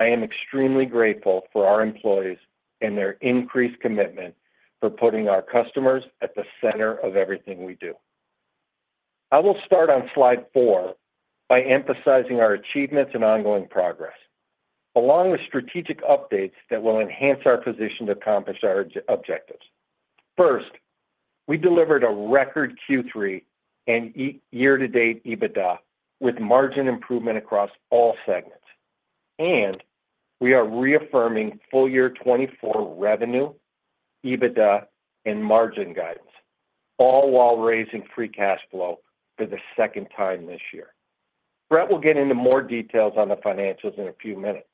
I am extremely grateful for our employees and their increased commitment for putting our customers at the center of everything we do. I will start on Slide 4 by emphasizing our achievements and ongoing progress, along with strategic updates that will enhance our position to accomplish our objectives. First, we delivered a record Q3 and year-to-date EBITDA, with margin improvement across all segments, and we are reaffirming full year 2024 revenue, EBITDA, and margin guidance, all while raising free cash flow for the second time this year. Brett will get into more details on the financials in a few minutes.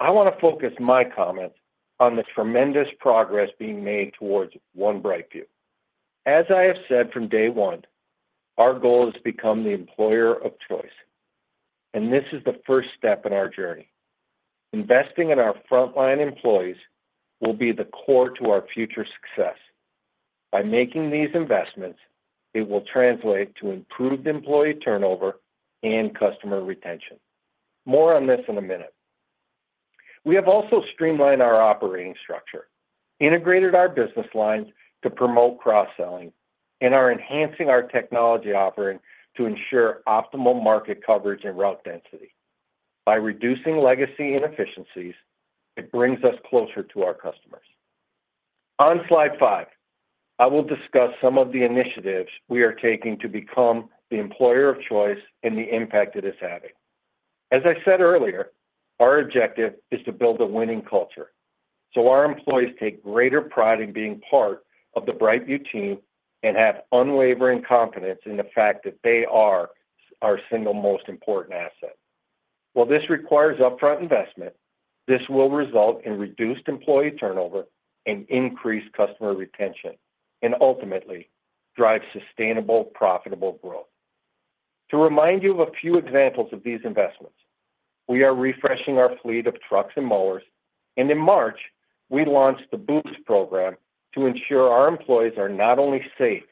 I want to focus my comments on the tremendous progress being made towards One BrightView. As I have said from day one, our goal is to become the employer of choice, and this is the first step in our journey. Investing in our frontline employees will be the core to our future success. By making these investments, it will translate to improved employee turnover and customer retention. More on this in a minute. We have also streamlined our operating structure, integrated our business lines to promote cross-selling, and are enhancing our technology offering to ensure optimal market coverage and route density. By reducing legacy inefficiencies, it brings us closer to our customers. On Slide 5, I will discuss some of the initiatives we are taking to become the employer of choice and the impact it is having. As I said earlier, our objective is to build a winning culture, so our employees take greater pride in being part of the BrightView team and have unwavering confidence in the fact that they are our single most important asset. While this requires upfront investment, this will result in reduced employee turnover and increased customer retention, and ultimately drive sustainable, profitable growth. To remind you of a few examples of these investments, we are refreshing our fleet of trucks and mowers, and in March, we launched the Boots program to ensure our employees are not only safe,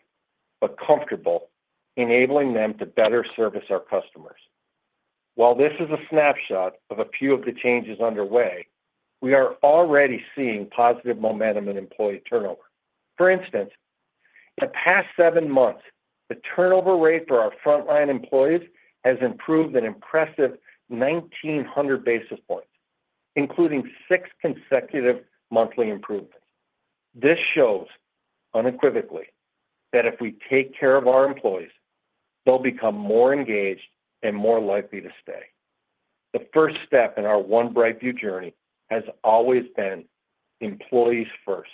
but comfortable, enabling them to better service our customers. While this is a snapshot of a few of the changes underway, we are already seeing positive momentum in employee turnover. For instance, the past 7 months, the turnover rate for our frontline employees has improved an impressive 1,900 basis points, including 6 consecutive monthly improvements. This shows unequivocally that if we take care of our employees, they'll become more engaged and more likely to stay. The first step in our One BrightView journey has always been employees first,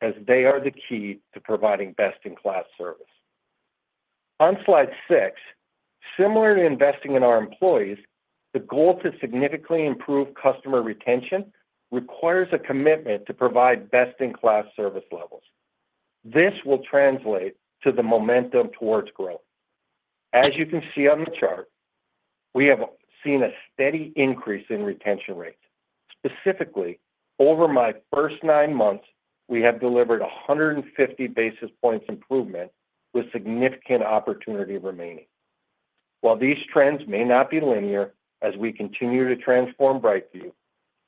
as they are the key to providing best-in-class service. On Slide 6, similar to investing in our employees, the goal to significantly improve customer retention requires a commitment to provide best-in-class service levels. This will translate to the momentum towards growth. As you can see on the chart, we have seen a steady increase in retention rates. Specifically, over my first nine months, we have delivered 150 basis points improvement, with significant opportunity remaining. While these trends may not be linear as we continue to transform BrightView,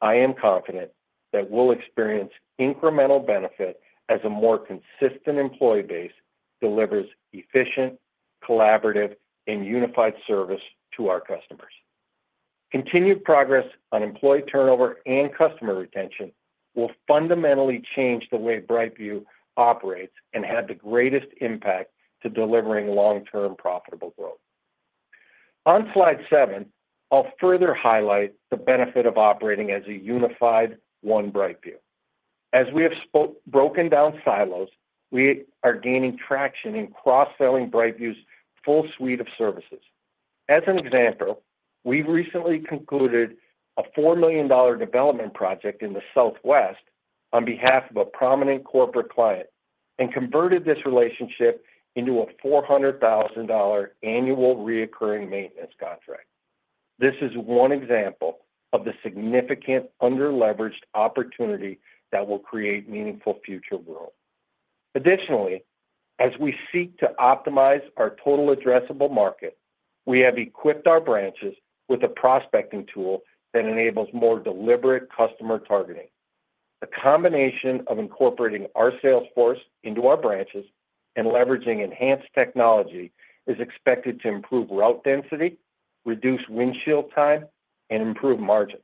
I am confident that we'll experience incremental benefit as a more consistent employee base delivers efficient, collaborative, and unified service to our customers. Continued progress on employee turnover and customer retention will fundamentally change the way BrightView operates and have the greatest impact to delivering long-term profitable growth. On Slide 7, I'll further highlight the benefit of operating as a unified One BrightView. As we have broken down silos, we are gaining traction in cross-selling BrightView's full suite of services. As an example, we recently concluded a $4 million development project in the Southwest on behalf of a prominent corporate client and converted this relationship into a $400,000 annual recurring maintenance contract. This is one example of the significant under-leveraged opportunity that will create meaningful future growth. Additionally, as we seek to optimize our total addressable market, we have equipped our branches with a prospecting tool that enables more deliberate customer targeting. The combination of incorporating our sales force into our branches and leveraging enhanced technology is expected to improve route density, reduce windshield time, and improve margins.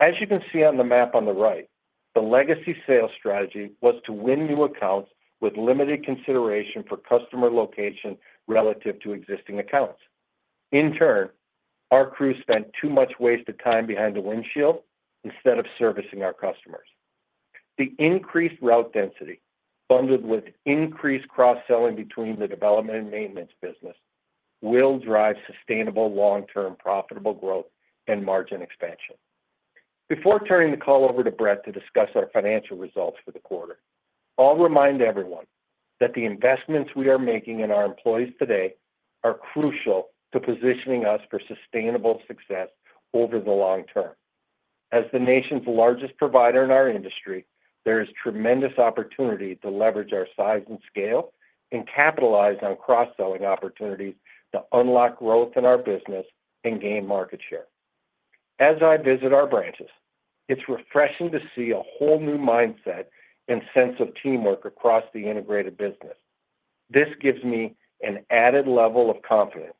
As you can see on the map on the right, the legacy sales strategy was to win new accounts with limited consideration for customer location relative to existing accounts. In turn, our crew spent too much wasted time behind the windshield instead of servicing our customers. The increased route density, bundled with increased cross-selling between the development and maintenance business, will drive sustainable, long-term, profitable growth and margin expansion. Before turning the call over to Brett to discuss our financial results for the quarter, I'll remind everyone that the investments we are making in our employees today are crucial to positioning us for sustainable success over the long term... As the nation's largest provider in our industry, there is tremendous opportunity to leverage our size and scale and capitalize on cross-selling opportunities to unlock growth in our business and gain market share. As I visit our branches, it's refreshing to see a whole new mindset and sense of teamwork across the integrated business. This gives me an added level of confidence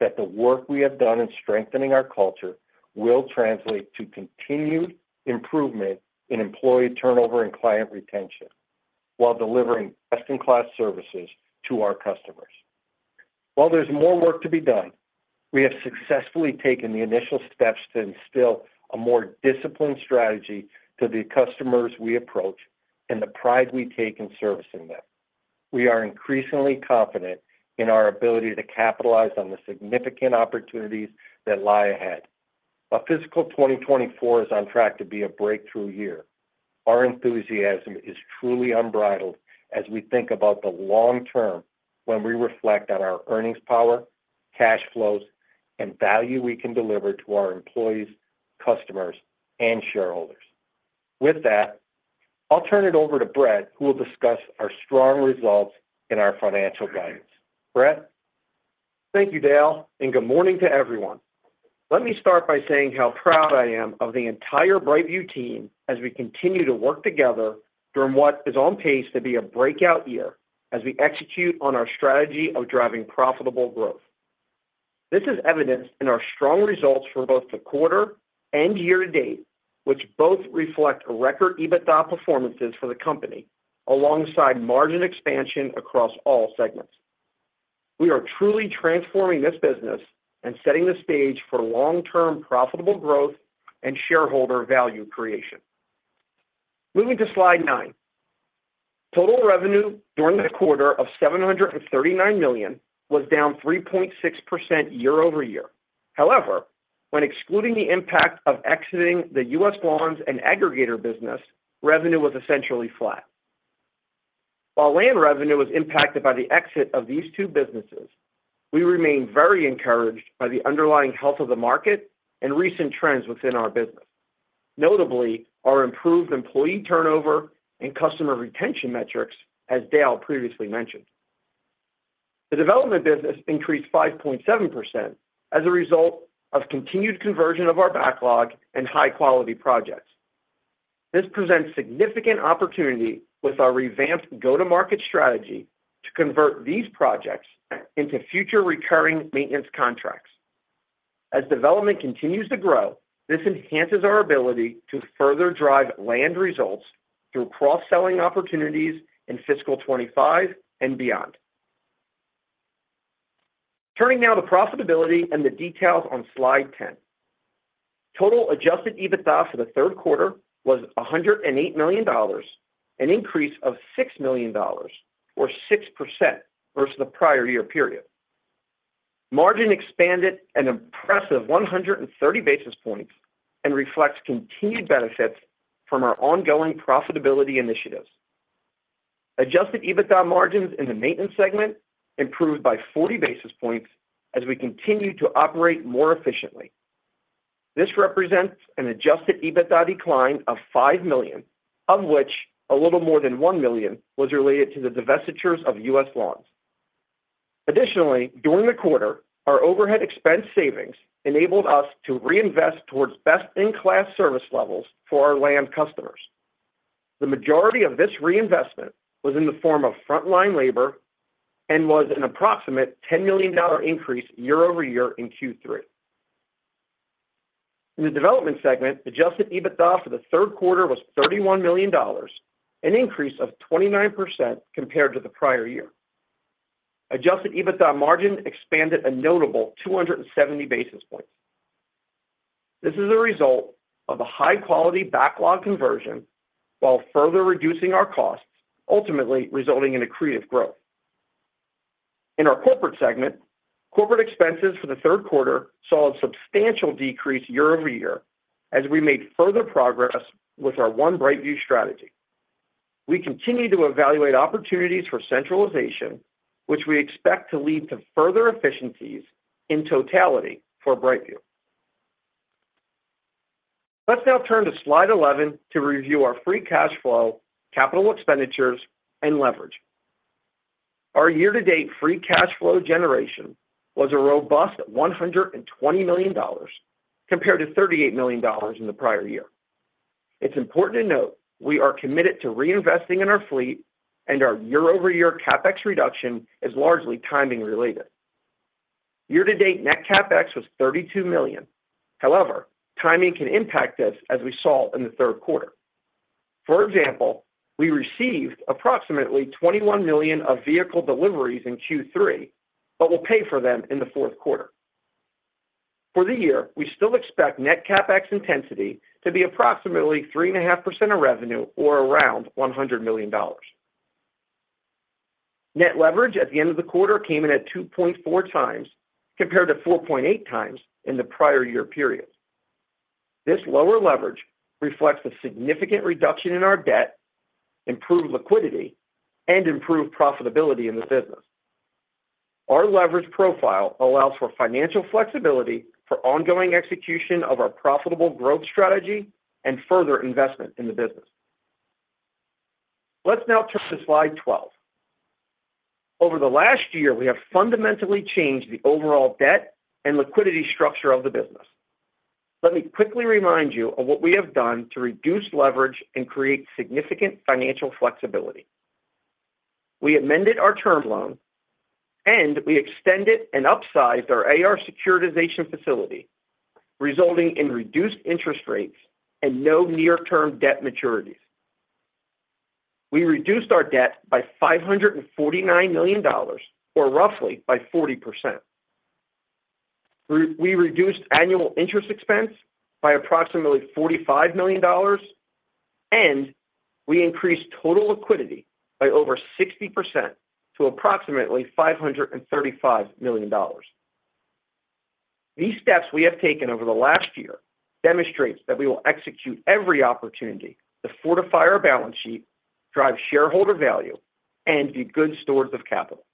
that the work we have done in strengthening our culture will translate to continued improvement in employee turnover and client retention, while delivering best-in-class services to our customers. While there's more work to be done, we have successfully taken the initial steps to instill a more disciplined strategy to the customers we approach and the pride we take in servicing them. We are increasingly confident in our ability to capitalize on the significant opportunities that lie ahead. While fiscal 2024 is on track to be a breakthrough year, our enthusiasm is truly unbridled as we think about the long term when we reflect on our earnings power, cash flows, and value we can deliver to our employees, customers, and shareholders. With that, I'll turn it over to Brett, who will discuss our strong results and our financial guidance. Brett? Thank you, Dale, and good morning to everyone. Let me start by saying how proud I am of the entire BrightView team as we continue to work together during what is on pace to be a breakout year as we execute on our strategy of driving profitable growth. This is evidenced in our strong results for both the quarter and year-to-date, which both reflect record EBITDA performances for the company, alongside margin expansion across all segments. We are truly transforming this business and setting the stage for long-term profitable growth and shareholder value creation. Moving to Slide 9. Total revenue during the quarter of $739 million was down 3.6% year-over-year. However, when excluding the impact of exiting the U.S. Lawns and aggregator business, revenue was essentially flat. While Landscape revenue was impacted by the exit of these two businesses, we remain very encouraged by the underlying health of the market and recent trends within our business. Notably, our improved employee turnover and customer retention metrics, as Dale previously mentioned. The development business increased 5.7% as a result of continued conversion of our backlog and high-quality projects. This presents significant opportunity with our revamped go-to-market strategy to convert these projects into future recurring maintenance contracts. As development continues to grow, this enhances our ability to further drive Landscape results through cross-selling opportunities in fiscal 2025 and beyond. Turning now to profitability and the details on Slide 10. Total adjusted EBITDA for the third quarter was $108 million, an increase of $6 million or 6% versus the prior year period. Margin expanded an impressive 130 basis points and reflects continued benefits from our ongoing profitability initiatives. Adjusted EBITDA margins in the maintenance segment improved by 40 basis points as we continue to operate more efficiently. This represents an adjusted EBITDA decline of $5 million, of which a little more than $1 million was related to the divestitures of U.S. Lawns. Additionally, during the quarter, our overhead expense savings enabled us to reinvest towards best-in-class service levels for our land customers. The majority of this reinvestment was in the form of frontline labor and was an approximate $10 million increase year-over-year in Q3. In the development segment, adjusted EBITDA for the third quarter was $31 million, an increase of 29% compared to the prior year. Adjusted EBITDA margin expanded a notable 270 basis points. This is a result of a high-quality backlog conversion while further reducing our costs, ultimately resulting in accretive growth. In our corporate segment, corporate expenses for the third quarter saw a substantial decrease year-over-year as we made further progress with our One BrightView strategy. We continue to evaluate opportunities for centralization, which we expect to lead to further efficiencies in totality for BrightView. Let's now turn to Slide 11 to review our free cash flow, capital expenditures, and leverage. Our year-to-date free cash flow generation was a robust $120 million, compared to $38 million in the prior year. It's important to note we are committed to reinvesting in our fleet, and our year-over-year CapEx reduction is largely timing related. Year-to-date net CapEx was $32 million. However, timing can impact us, as we saw in the third quarter. For example, we received approximately 21 million of vehicle deliveries in Q3, but will pay for them in the fourth quarter. For the year, we still expect net CapEx intensity to be approximately 3.5% of revenue or around $100 million. Net leverage at the end of the quarter came in at 2.4x, compared to 4.8x in the prior year period. This lower leverage reflects a significant reduction in our debt, improved liquidity, and improved profitability in the business. Our leverage profile allows for financial flexibility for ongoing execution of our profitable growth strategy and further investment in the business. Let's now turn to Slide 12. Over the last year, we have fundamentally changed the overall debt and liquidity structure of the business. Let me quickly remind you of what we have done to reduce leverage and create significant financial flexibility. We amended our term loan, and we extended and upsized our AR securitization facility, resulting in reduced interest rates and no near-term debt maturities. We reduced our debt by $549 million, or roughly by 40%. We reduced annual interest expense by approximately $45 million, and we increased total liquidity by over 60% to approximately $535 million. These steps we have taken over the last year demonstrates that we will execute every opportunity to fortify our balance sheet, drive shareholder value, and be good stewards of capital.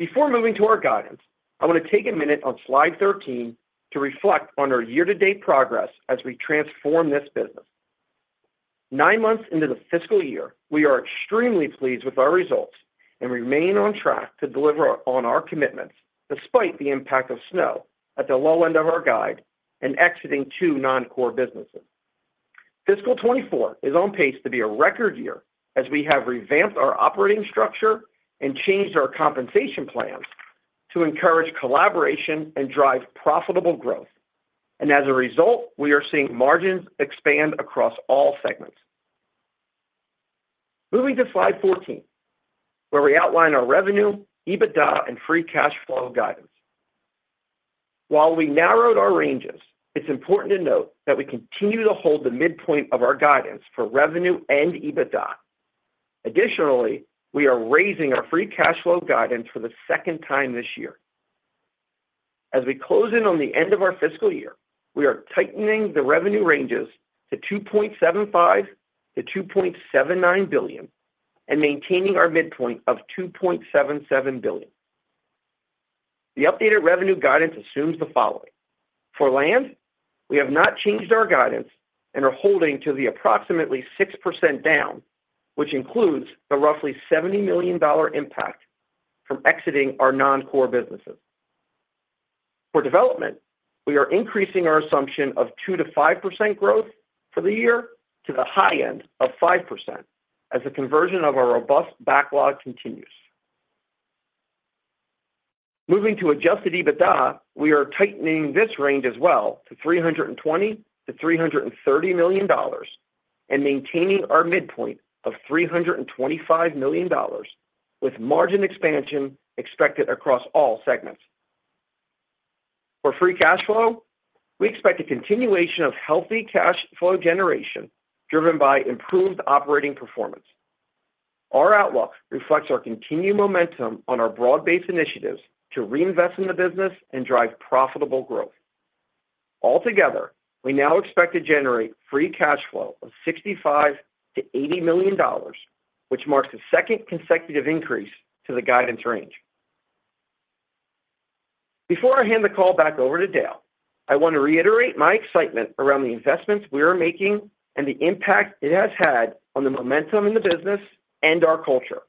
Before moving to our guidance, I want to take a minute on Slide 13 to reflect on our year-to-date progress as we transform this business. Nine months into the fiscal year, we are extremely pleased with our results and remain on track to deliver on our commitments, despite the impact of snow at the low end of our guide and exiting two non-core businesses. Fiscal 2024 is on pace to be a record year as we have revamped our operating structure and changed our compensation plans to encourage collaboration and drive profitable growth. As a result, we are seeing margins expand across all segments. Moving to Slide 14, where we outline our revenue, EBITDA, and free cash flow guidance. While we narrowed our ranges, it's important to note that we continue to hold the midpoint of our guidance for revenue and EBITDA. Additionally, we are raising our free cash flow guidance for the second time this year. As we close in on the end of our fiscal year, we are tightening the revenue ranges to $2.75 billion-$2.79 billion and maintaining our midpoint of $2.77 billion. The updated revenue guidance assumes the following: For land, we have not changed our guidance and are holding to the approximately 6% down, which includes the roughly $70 million impact from exiting our non-core businesses. For development, we are increasing our assumption of 2%-5% growth for the year to the high end of 5% as the conversion of our robust backlog continues. Moving to adjusted EBITDA, we are tightening this range as well to $320 million-$330 million and maintaining our midpoint of $325 million, with margin expansion expected across all segments. For free cash flow, we expect a continuation of healthy cash flow generation driven by improved operating performance. Our outlook reflects our continued momentum on our broad-based initiatives to reinvest in the business and drive profitable growth. Altogether, we now expect to generate free cash flow of $65 million-$80 million, which marks the second consecutive increase to the guidance range. Before I hand the call back over to Dale, I want to reiterate my excitement around the investments we are making and the impact it has had on the momentum in the business and our culture.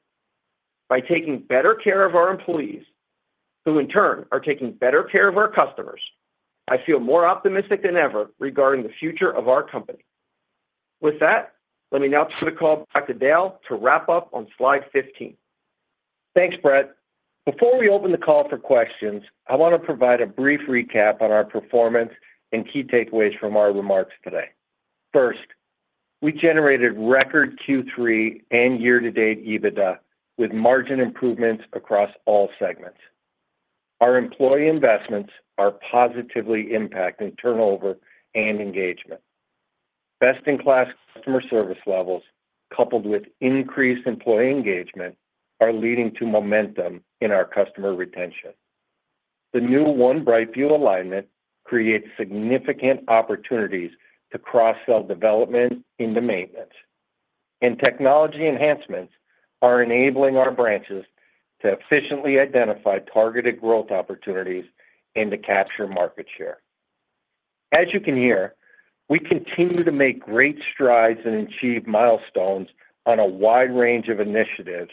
By taking better care of our employees, who in turn are taking better care of our customers, I feel more optimistic than ever regarding the future of our company. With that, let me now turn the call back to Dale to wrap up on Slide 15. Thanks, Brett. Before we open the call for questions, I want to provide a brief recap on our performance and key takeaways from our remarks today. First, we generated record Q3 and year-to-date EBITDA, with margin improvements across all segments. Our employee investments are positively impacting turnover and engagement. Best-in-class customer service levels, coupled with increased employee engagement, are leading to momentum in our customer retention. The new One BrightView alignment creates significant opportunities to cross-sell development into maintenance, and technology enhancements are enabling our branches to efficiently identify targeted growth opportunities and to capture market share. As you can hear, we continue to make great strides and achieve milestones on a wide range of initiatives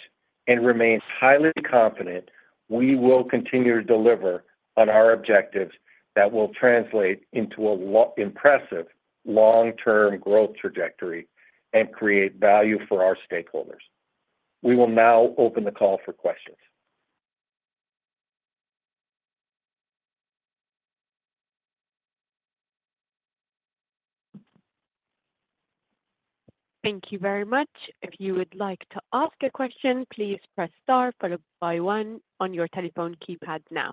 and remain highly confident we will continue to deliver on our objectives that will translate into an impressive long-term growth trajectory and create value for our stakeholders. We will now open the call for questions. Thank you very much. If you would like to ask a question, please press star followed by one on your telephone keypad now.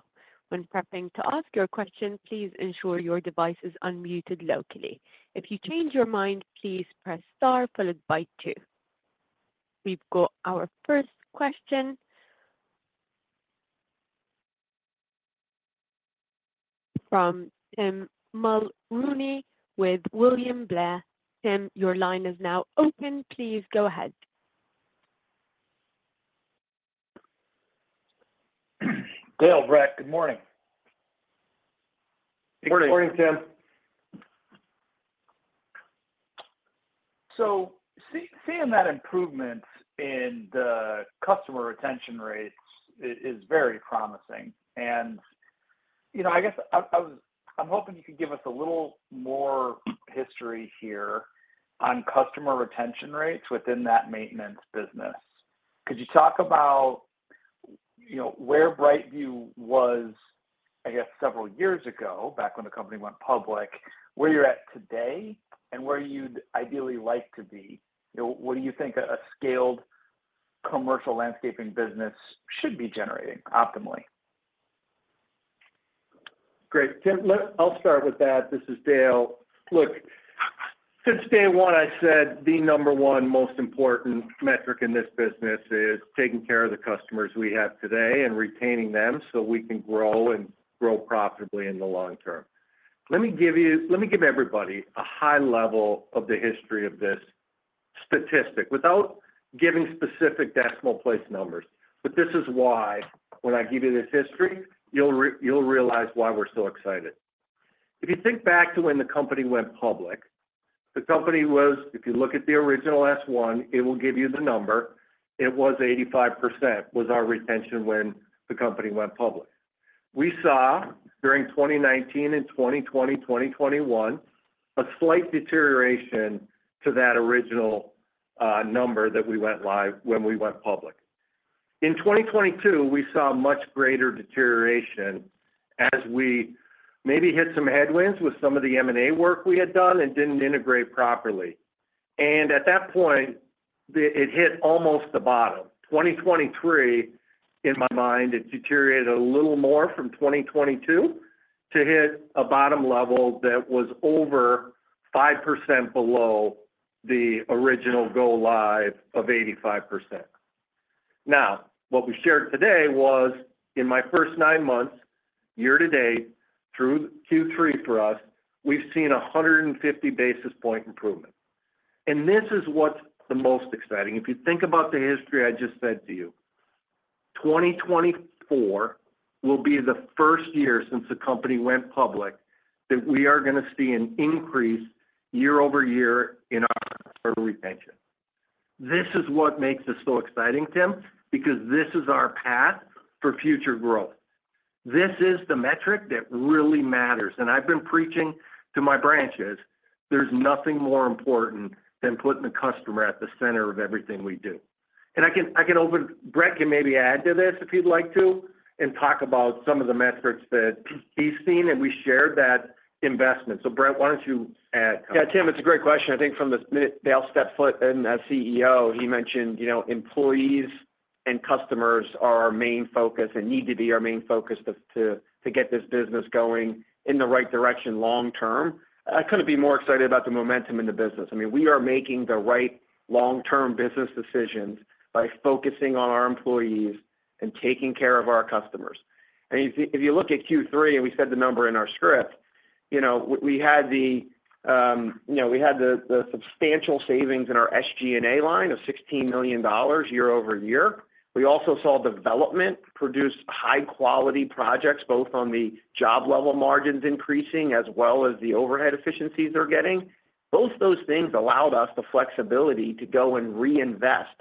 When prepping to ask your question, please ensure your device is unmuted locally. If you change your mind, please press star followed by two. We've got our first question.... from Tim Mulrooney with William Blair. Tim, your line is now open. Please go ahead. Dale, Brett, good morning. Good morning. Morning, Tim. Seeing that improvement in the customer retention rates is very promising. And, you know, I guess I'm hoping you could give us a little more history here on customer retention rates within that maintenance business. Could you talk about, you know, where BrightView was, I guess, several years ago, back when the company went public, where you're at today, and where you'd ideally like to be? You know, what do you think a scaled commercial landscaping business should be generating optimally? Great. Tim, I'll start with that. This is Dale. Look, since day one, I said the number one most important metric in this business is taking care of the customers we have today and retaining them so we can grow and grow profitably in the long term. Let me give everybody a high level of the history of this statistic, without giving specific decimal place numbers. But this is why, when I give you this history, you'll realize why we're so excited. If you think back to when the company went public, the company was... If you look at the original S-1, it will give you the number. It was 85%, was our retention when the company went public. We saw, during 2019 and 2020, 2021, a slight deterioration to that original number that we went live when we went public. In 2022, we saw much greater deterioration as we maybe hit some headwinds with some of the M&A work we had done and didn't integrate properly. And at that point, it hit almost the bottom. 2023, in my mind, it deteriorated a little more from 2022 to hit a bottom level that was over 5% below the original go live of 85%. Now, what we shared today was, in my first 9 months, year to date, through Q3 for us, we've seen a 150 basis point improvement. And this is what's the most exciting. If you think about the history I just said to you, 2024 will be the first year since the company went public, that we are going to see an increase year over year in our customer retention. This is what makes this so exciting, Tim, because this is our path for future growth. This is the metric that really matters, and I've been preaching to my branches, there's nothing more important than putting the customer at the center of everything we do. And I can. I can open. Brett can maybe add to this if he'd like to, and talk about some of the metrics that he's seen, and we shared that investment. So, Brett, why don't you add? Yeah, Tim, it's a great question. I think from the minute Dale stepped foot in as CEO, he mentioned, you know, employees and customers are our main focus and need to be our main focus to get this business going in the right direction long term. I couldn't be more excited about the momentum in the business. I mean, we are making the right long-term business decisions by focusing on our employees and taking care of our customers. And if you look at Q3, and we said the number in our script, you know, we had the substantial savings in our SG&A line of $16 million year-over-year. We also saw development produce high-quality projects, both on the job level margins increasing, as well as the overhead efficiencies they're getting. Both those things allowed us the flexibility to go and reinvest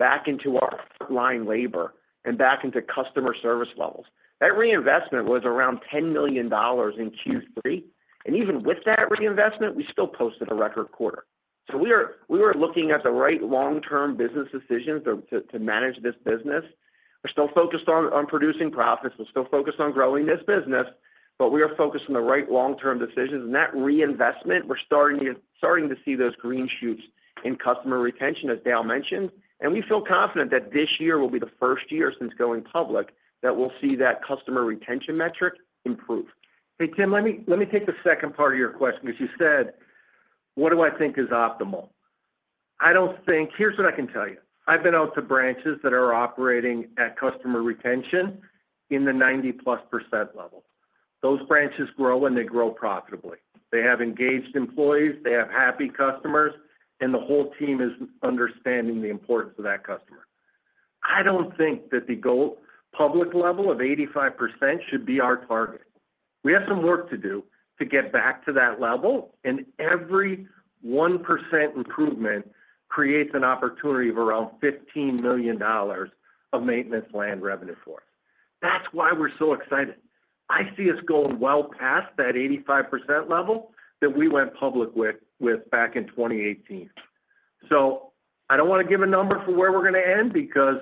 back into our line labor and back into customer service levels. That reinvestment was around $10 million in Q3, and even with that reinvestment, we still posted a record quarter. So we are, we were looking at the right long-term business decisions to manage this business. We're still focused on producing profits. We're still focused on growing this business, but we are focused on the right long-term decisions. And that reinvestment, we're starting to see those green shoots in customer retention, as Dale mentioned, and we feel confident that this year will be the first year since going public that we'll see that customer retention metric improve. Hey, Tim, let me, let me take the second part of your question, because you said, "What do I think is optimal?" I don't think... Here's what I can tell you. I've been out to branches that are operating at customer retention in the 90+% level. Those branches grow, and they grow profitably. They have engaged employees, they have happy customers, and the whole team is understanding the importance of that customer. I don't think that the go public level of 85% should be our target. We have some work to do to get back to that level, and every 1% improvement creates an opportunity of around $15 million of maintenance landscape revenue for us. That's why we're so excited. I see us going well past that 85% level that we went public with, with back in 2018. I don't want to give a number for where we're going to end because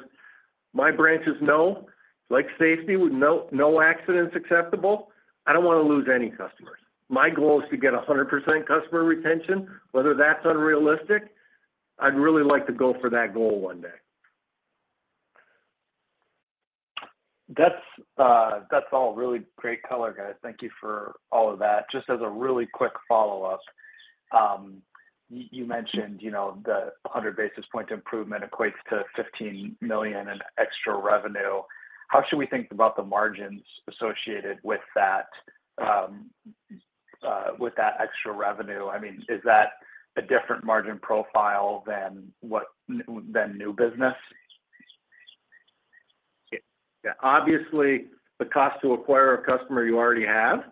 my branches know, like safety, with no accidents acceptable. I don't want to lose any customers. My goal is to get 100% customer retention, whether that's unrealistic. I'd really like to go for that goal one day. That's, that's all really great color, guys. Thank you for all of that. Just as a really quick follow-up-... you, you mentioned, you know, the 100 basis point improvement equates to $15 million in extra revenue. How should we think about the margins associated with that, with that extra revenue? I mean, is that a different margin profile than what- than new business? Yeah, obviously, the cost to acquire a customer you already have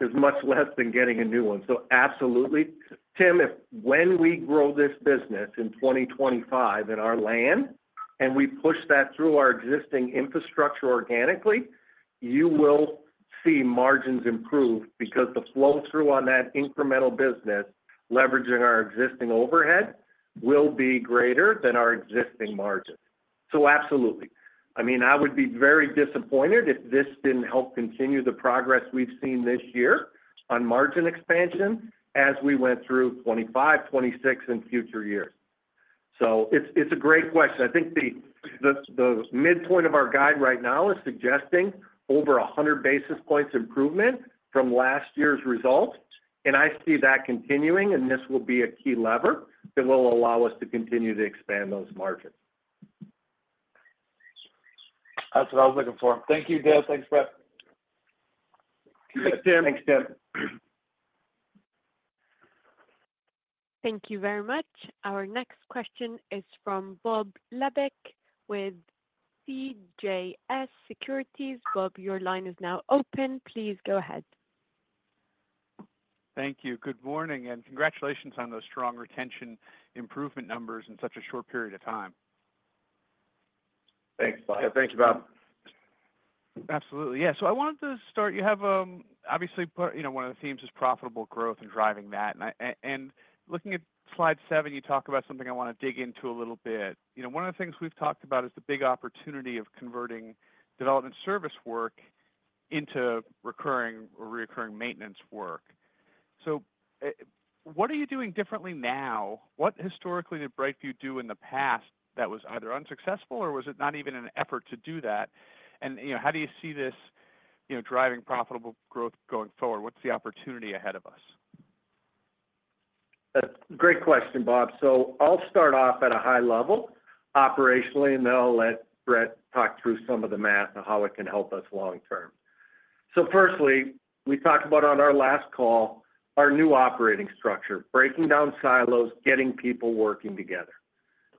is much less than getting a new one. So absolutely. Tim, if when we grow this business in 2025 in our land, and we push that through our existing infrastructure organically, you will see margins improve because the flow-through on that incremental business, leveraging our existing overhead, will be greater than our existing margin. So absolutely. I mean, I would be very disappointed if this didn't help continue the progress we've seen this year on margin expansion as we went through 25, 26, and future years. So it's, it's a great question. I think the midpoint of our guide right now is suggesting over 100 basis points improvement from last year's results, and I see that continuing, and this will be a key lever that will allow us to continue to expand those margins. That's what I was looking for. Thank you, Dale. Thanks, Brett. Thanks, Tim. Thanks, Tim. Thank you very much. Our next question is from Bob Labick with CJS Securities. Bob, your line is now open. Please go ahead. Thank you. Good morning, and congratulations on those strong retention improvement numbers in such a short period of time. Thanks, Bob. Yeah. Thank you, Bob. Absolutely. Yeah, so I wanted to start, you have, obviously, put, you know, one of the themes is profitable growth and driving that. And I, and looking at Slide 7, you talk about something I want to dig into a little bit. You know, one of the things we've talked about is the big opportunity of converting development service work into recurring or recurring maintenance work. So, what are you doing differently now? What historically, did BrightView do in the past that was either unsuccessful or was it not even an effort to do that? And, you know, how do you see this, you know, driving profitable growth going forward? What's the opportunity ahead of us? That's a great question, Bob. So I'll start off at a high level operationally, and then I'll let Brett talk through some of the math on how it can help us long term. So firstly, we talked about on our last call, our new operating structure, breaking down silos, getting people working together.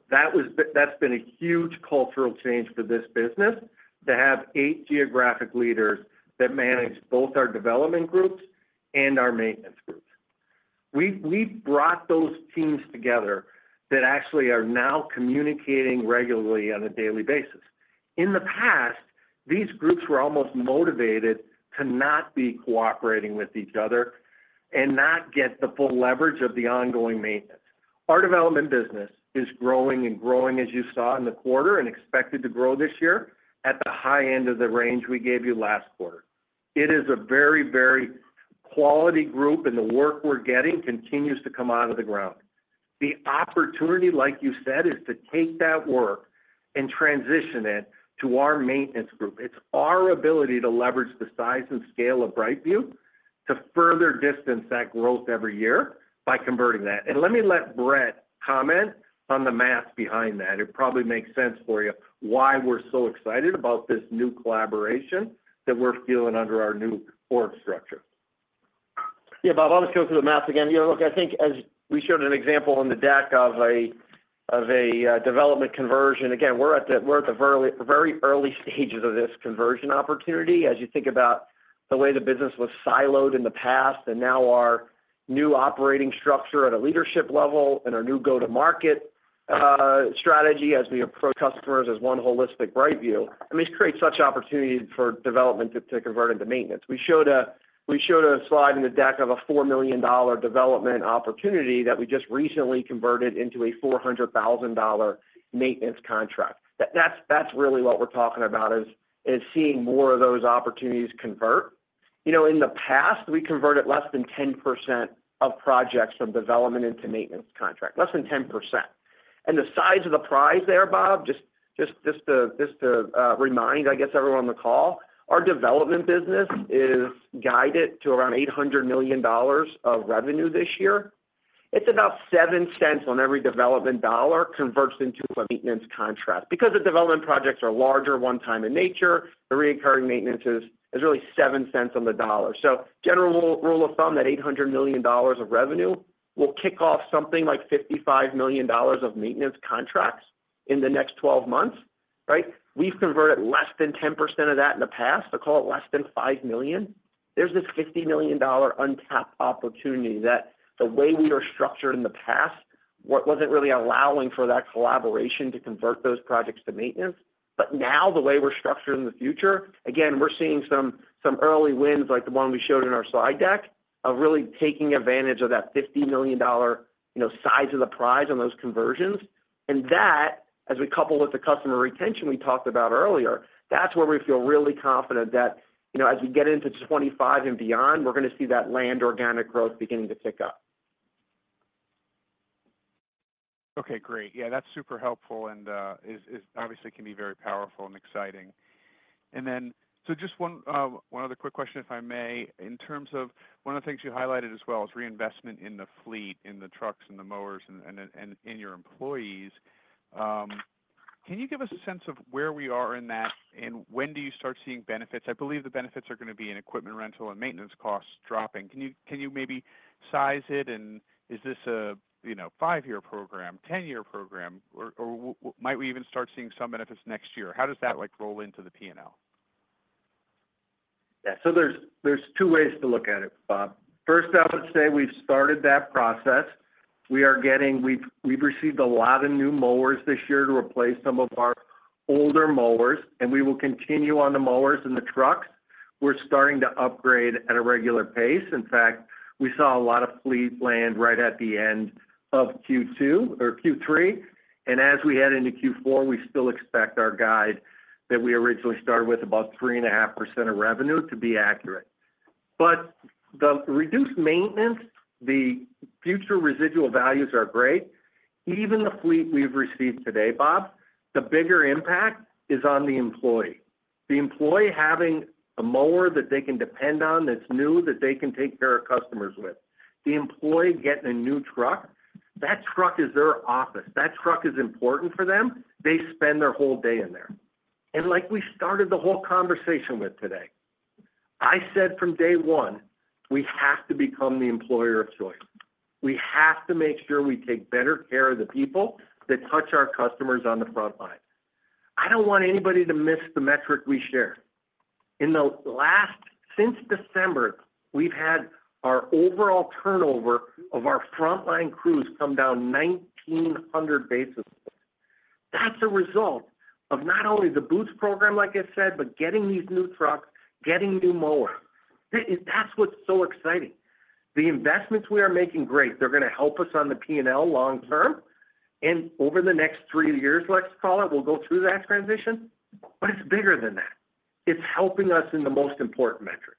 That was. That's been a huge cultural change for this business, to have eight geographic leaders that manage both our development groups and our maintenance groups. We, we brought those teams together that actually are now communicating regularly on a daily basis. In the past, these groups were almost motivated to not be cooperating with each other and not get the full leverage of the ongoing maintenance. Our development business is growing and growing, as you saw in the quarter, and expected to grow this year at the high end of the range we gave you last quarter. It is a very, very quality group, and the work we're getting continues to come out of the ground. The opportunity, like you said, is to take that work and transition it to our maintenance group. It's our ability to leverage the size and scale of BrightView to further distance that growth every year by converting that. And let me let Brett comment on the math behind that. It probably makes sense for you why we're so excited about this new collaboration that we're feeling under our new org structure. Yeah, Bob, I'll just go through the math again. You know, look, I think as we showed an example on the deck of a, of a, development conversion, again, we're at the, we're at the very, very early stages of this conversion opportunity. As you think about the way the business was siloed in the past, and now our new operating structure at a leadership level and our new go-to-market, strategy as we approach customers as one holistic BrightView, I mean, it creates such opportunities for development to, to convert into maintenance. We showed a, we showed a Slide in the deck of a $4 million development opportunity that we just recently converted into a $400,000 maintenance contract. That's, that's really what we're talking about, is, is seeing more of those opportunities convert. You know, in the past, we converted less than 10% of projects from development into maintenance contract, less than 10%. And the size of the prize there, Bob, just to remind, I guess, everyone on the call, our development business is guided to around $800 million of revenue this year. It's about 7 cents on every development dollar converts into a maintenance contract. Because the development projects are larger, one-time in nature, the recurring maintenance is really 7 cents on the dollar. So general rule of thumb, that $800 million of revenue will kick off something like $55 million of maintenance contracts in the next twelve months, right? We've converted less than 10% of that in the past, to call it less than $5 million. There's this $50 million untapped opportunity that the way we were structured in the past wasn't really allowing for that collaboration to convert those projects to maintenance. But now, the way we're structured in the future, again, we're seeing some early wins, like the one we showed in our Slide deck, of really taking advantage of that $50 million, you know, size of the prize on those conversions. And that, as we couple with the customer retention we talked about earlier, that's where we feel really confident that, you know, as we get into 2025 and beyond, we're going to see that land organic growth beginning to pick up.... Okay, great. Yeah, that's super helpful and is obviously can be very powerful and exciting. And then, so just one other quick question, if I may. In terms of one of the things you highlighted as well is reinvestment in the fleet, in the trucks and the mowers and in your employees. Can you give us a sense of where we are in that, and when do you start seeing benefits? I believe the benefits are gonna be in equipment rental and maintenance costs dropping. Can you maybe size it? And is this a, you know, 5-year program, 10-year program, or might we even start seeing some benefits next year? How does that, like, roll into the P&L? Yeah. So there's two ways to look at it, Bob. First, I would say we've started that process. We are getting. We've received a lot of new mowers this year to replace some of our older mowers, and we will continue on the mowers and the trucks. We're starting to upgrade at a regular pace. In fact, we saw a lot of fleet land right at the end of Q2 or Q3, and as we head into Q4, we still expect our guide that we originally started with, about 3.5% of revenue to be accurate. But the reduced maintenance, the future residual values are great. Even the fleet we've received today, Bob, the bigger impact is on the employee. The employee having a mower that they can depend on, that's new, that they can take care of customers with. The employee getting a new truck, that truck is their office. That truck is important for them. They spend their whole day in there. And like we started the whole conversation with today, I said from day one, "We have to become the employer of choice. We have to make sure we take better care of the people that touch our customers on the front line." I don't want anybody to miss the metric we share. Since December, we've had our overall turnover of our frontline crews come down 1,900 basis points. That's a result of not only the boots program, like I said, but getting these new trucks, getting new mowers. That's what's so exciting. The investments we are making, great, they're gonna help us on the P&L long term, and over the next three years, let's call it, we'll go through that transition, but it's bigger than that. It's helping us in the most important metric,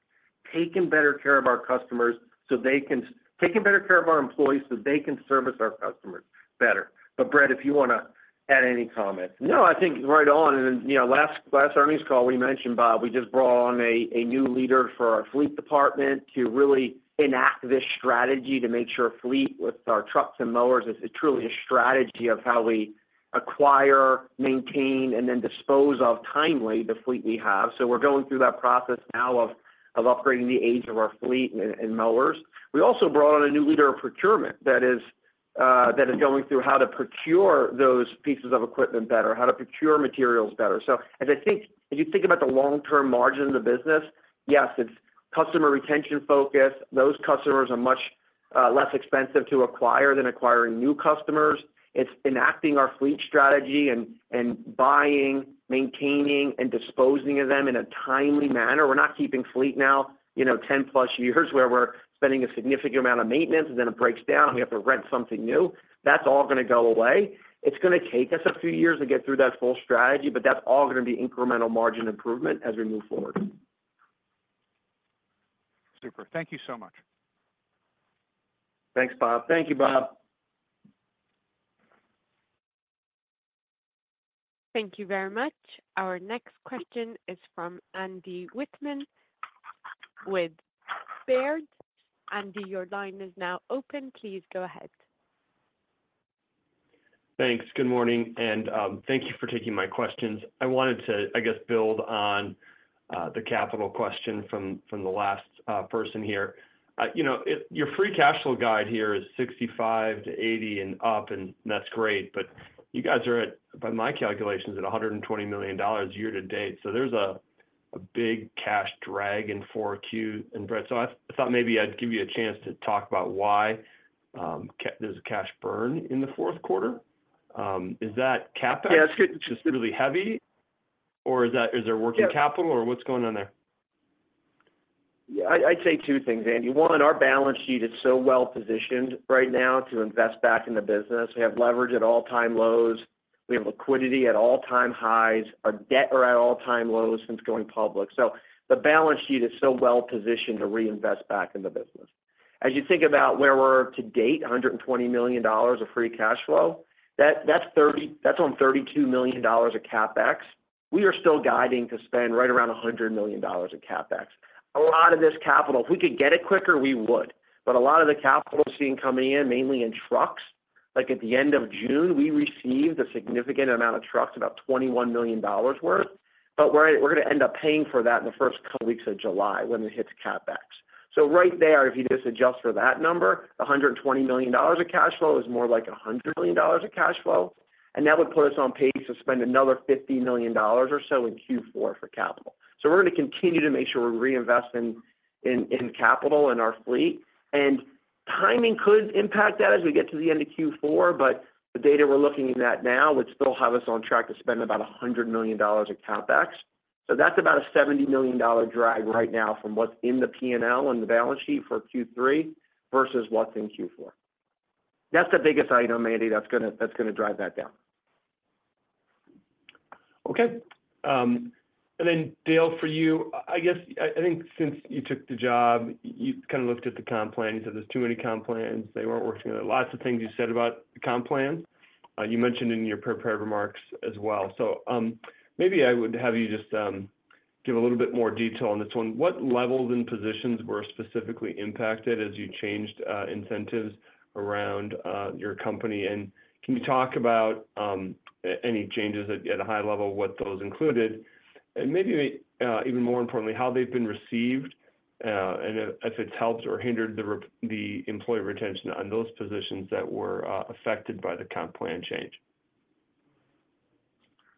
taking better care of our customers so they can, taking better care of our employees so they can service our customers better. But, Brett, if you wanna add any comments. No, I think right on. And, you know, last earnings call, we mentioned, Bob, we just brought on a new leader for our fleet department to really enact this strategy to make sure fleet, with our trucks and mowers, is truly a strategy of how we acquire, maintain, and then dispose of timely, the fleet we have. So we're going through that process now of upgrading the age of our fleet and mowers. We also brought on a new leader of procurement that is that is going through how to procure those pieces of equipment better, how to procure materials better. So as I think, if you think about the long-term margin of the business, yes, it's customer retention focus. Those customers are much less expensive to acquire than acquiring new customers. It's enacting our fleet strategy and buying, maintaining, and disposing of them in a timely manner. We're not keeping fleet now, you know, 10+ years, where we're spending a significant amount of maintenance, and then it breaks down, we have to rent something new. That's all gonna go away. It's gonna take us a few years to get through that full strategy, but that's all gonna be incremental margin improvement as we move forward. Super. Thank you so much. Thanks, Bob. Thank you, Bob. Thank you very much. Our next question is from Andy Wittmann with Baird. Andy, your line is now open. Please go ahead. Thanks. Good morning, and thank you for taking my questions. I wanted to, I guess, build on the capital question from the last person here. You know, your free cash flow guide here is $65 million-$80 million+, and that's great, but you guys are at, by my calculations, at $120 million year to date. So there's a big cash drag in 4Q. And, Brett, so I thought maybe I'd give you a chance to talk about why there's a cash burn in the fourth quarter. Is that CapEx- Yeah... just really heavy, or is that - is there working capital - Yeah... or what's going on there? Yeah, I'd say two things, Andy. One, our balance sheet is so well-positioned right now to invest back in the business. We have leverage at all-time lows, we have liquidity at all-time highs. Our debt are at all-time lows since going public. So the balance sheet is so well positioned to reinvest back in the business. As you think about where we're to date, $120 million of free cash flow, that's on $32 million of CapEx. We are still guiding to spend right around $100 million in CapEx. A lot of this capital, if we could get it quicker, we would, but a lot of the capital seen coming in, mainly in trucks. Like at the end of June, we received a significant amount of trucks, about $21 million worth, but we're, we're gonna end up paying for that in the first couple of weeks of July when it hits CapEx. So right there, if you just adjust for that number, $120 million of cash flow is more like $100 million of cash flow, and that would put us on pace to spend another $50 million or so in Q4 for capital. So we're gonna continue to make sure we're reinvesting in, in capital, in our fleet. And timing could impact that as we get to the end of Q4, but the data we're looking at now, which still have us on track to spend about $100 million of CapEx. So that's about a $70 million drag right now from what's in the P&L on the balance sheet for Q3 versus what's in Q4. That's the biggest item, Andy, that's gonna drive that down. Okay. And then Dale, for you, I guess I think since you took the job, you kind of looked at the comp plan. You said there's too many comp plans. They weren't working. Lots of things you said about the comp plan, you mentioned in your prepared remarks as well. So, maybe I would have you just give a little bit more detail on this one. What levels and positions were specifically impacted as you changed incentives around your company? And can you talk about any changes at a high level, what those included? And maybe, even more importantly, how they've been received, and if it's helped or hindered the employee retention on those positions that were affected by the comp plan change.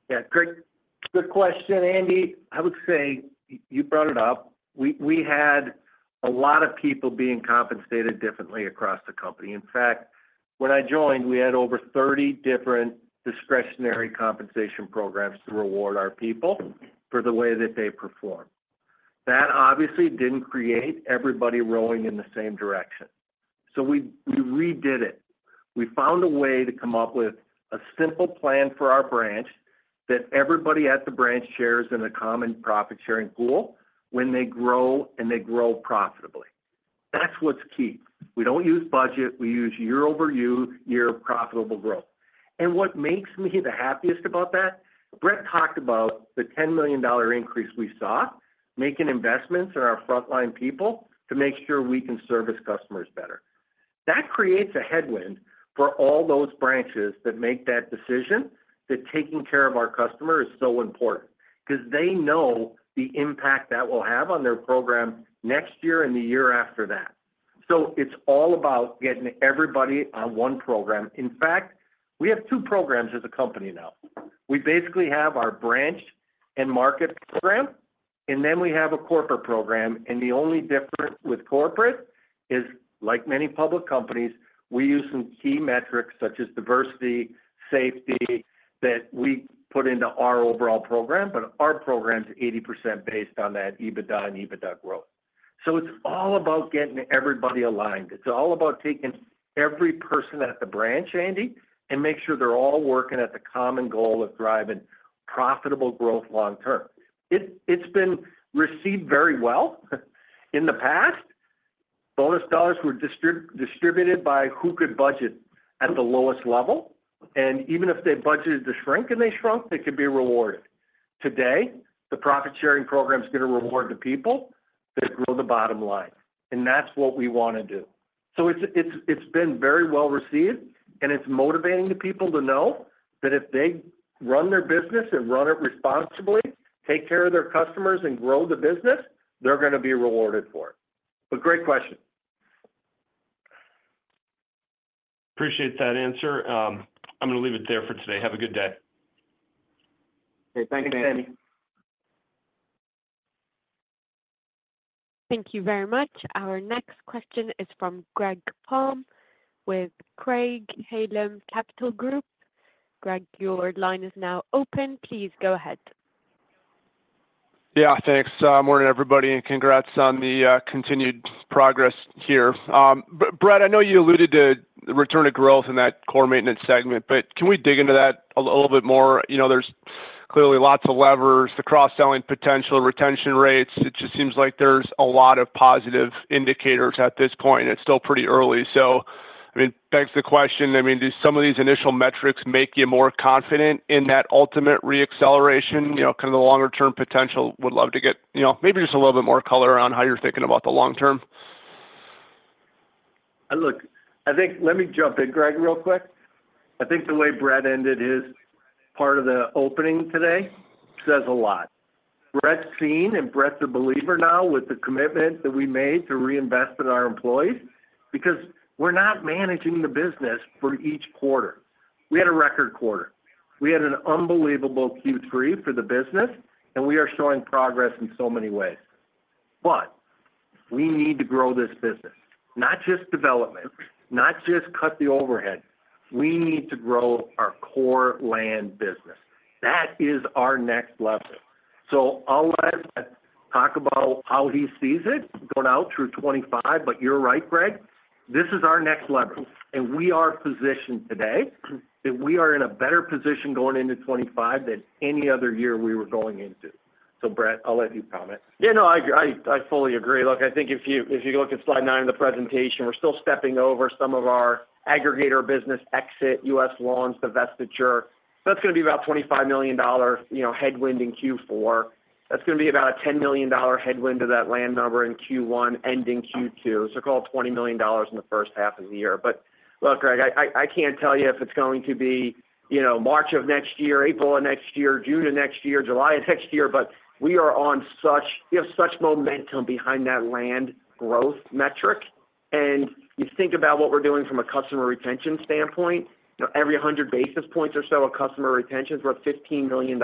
Yeah, great, good question, Andy. I would say, you brought it up, we, we had a lot of people being compensated differently across the company. In fact, when I joined, we had over 30 different discretionary compensation programs to reward our people for the way that they perform. That obviously didn't create everybody rowing in the same direction. So we, we redid it. We found a way to come up with a simple plan for our branch that everybody at the branch shares in a common profit-sharing pool when they grow and they grow profitably. That's what's key. We don't use budget; we use year-over-year, year profitable growth. And what makes me the happiest about that, Brett talked about the $10 million increase we saw, making investments in our frontline people to make sure we can service customers better. That creates a headwind for all those branches that make that decision, that taking care of our customer is so important because they know the impact that will have on their program next year and the year after that. So it's all about getting everybody on one program. In fact, we have two programs as a company now. We basically have our branch and market program, and then we have a corporate program, and the only difference with corporate is, like many public companies, we use some key metrics such as diversity, safety, that we put into our overall program, but our program is 80% based on that EBITDA and EBITDA growth. So it's all about getting everybody aligned. It's all about taking every person at the branch, Andy, and make sure they're all working at the common goal of driving profitable growth long term. It's been received very well. In the past, bonus dollars were distributed by who could budget at the lowest level, and even if they budgeted to shrink and they shrunk, they could be rewarded. Today, the profit-sharing program is going to reward the people that grow the bottom line, and that's what we want to do. So it's been very well received, and it's motivating the people to know that if they run their business and run it responsibly, take care of their customers and grow the business, they're going to be rewarded for it. But great question. Appreciate that answer. I'm going to leave it there for today. Have a good day. Okay. Thanks, Andy. Thank you very much. Our next question is from Greg Palm with Craig-Hallum Capital Group. Greg, your line is now open. Please go ahead. Yeah, thanks. Morning, everybody, and congrats on the continued progress here. Brett, I know you alluded to return to growth in that core maintenance segment, but can we dig into that a little bit more? You know, there's clearly lots of levers, the cross-selling potential, retention rates. It just seems like there's a lot of positive indicators at this point. It's still pretty early. So, I mean, begs the question, I mean, do some of these initial metrics make you more confident in that ultimate reacceleration, you know, kind of the longer-term potential? Would love to get, you know, maybe just a little bit more color around how you're thinking about the long term. Look, I think... Let me jump in, Greg, real quick. I think the way Brett ended his part of the opening today says a lot. Brett's seen, and Brett's a believer now with the commitment that we made to reinvest in our employees, because we're not managing the business for each quarter. We had a record quarter. We had an unbelievable Q3 for the business, and we are showing progress in so many ways. But we need to grow this business, not just development, not just cut the overhead. We need to grow our core land business. That is our next level. So I'll let Brett talk about how he sees it going out through 25, but you're right, Greg, this is our next level, and we are positioned today, that we are in a better position going into 25 than any other year we were going into. Brett, I'll let you comment. Yeah, no, I fully agree. Look, I think if you, if you look at Slide 9 of the presentation, we're still stepping over some of our U.S. Lawns divestiture. That's going to be about $25 million, you know, headwind in Q4. That's going to be about a $10 million headwind to that land number in Q1, ending Q2. So call it $20 million in the first half of the year. But look, Greg, I can't tell you if it's going to be, you know, March of next year, April of next year, June of next year, July of next year, but we are on such-- we have such momentum behind that land growth metric. You think about what we're doing from a customer retention standpoint, every 100 basis points or so of customer retention is worth $15 million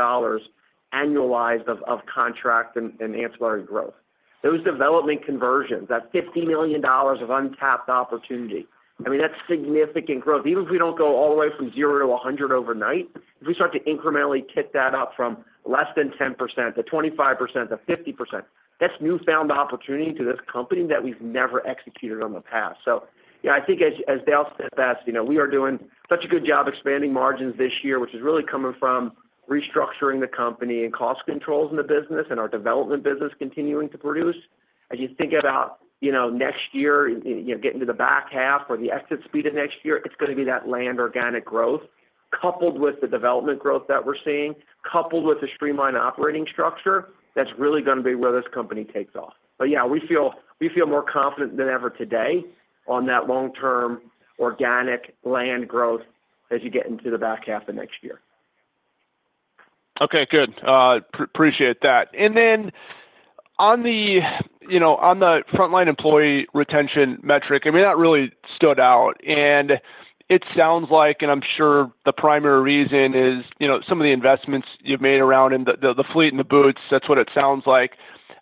annualized of contract and ancillary growth. Those development conversions, that's $50 million of untapped opportunity. I mean, that's significant growth. Even if we don't go all the way from zero to 100 overnight, if we start to incrementally tick that up from less than 10% to 25% to 50%, that's newfound opportunity to this company that we've never executed on the past. So yeah, I think as Dale said, you know, we are doing such a good job expanding margins this year, which is really coming from restructuring the company and cost controls in the business and our development business continuing to produce. As you think about, you know, next year, you, you know, getting to the back half or the exit speed of next year, it's gonna be that land organic growth, coupled with the development growth that we're seeing, coupled with the streamlined operating structure, that's really gonna be where this company takes off. But yeah, we feel, we feel more confident than ever today on that long-term organic land growth as you get into the back half of next year. Okay, good. Appreciate that. And then on the, you know, on the frontline employee retention metric, I mean, that really stood out, and it sounds like, and I'm sure the primary reason is, you know, some of the investments you've made around in the, the fleet and the boots, that's what it sounds like.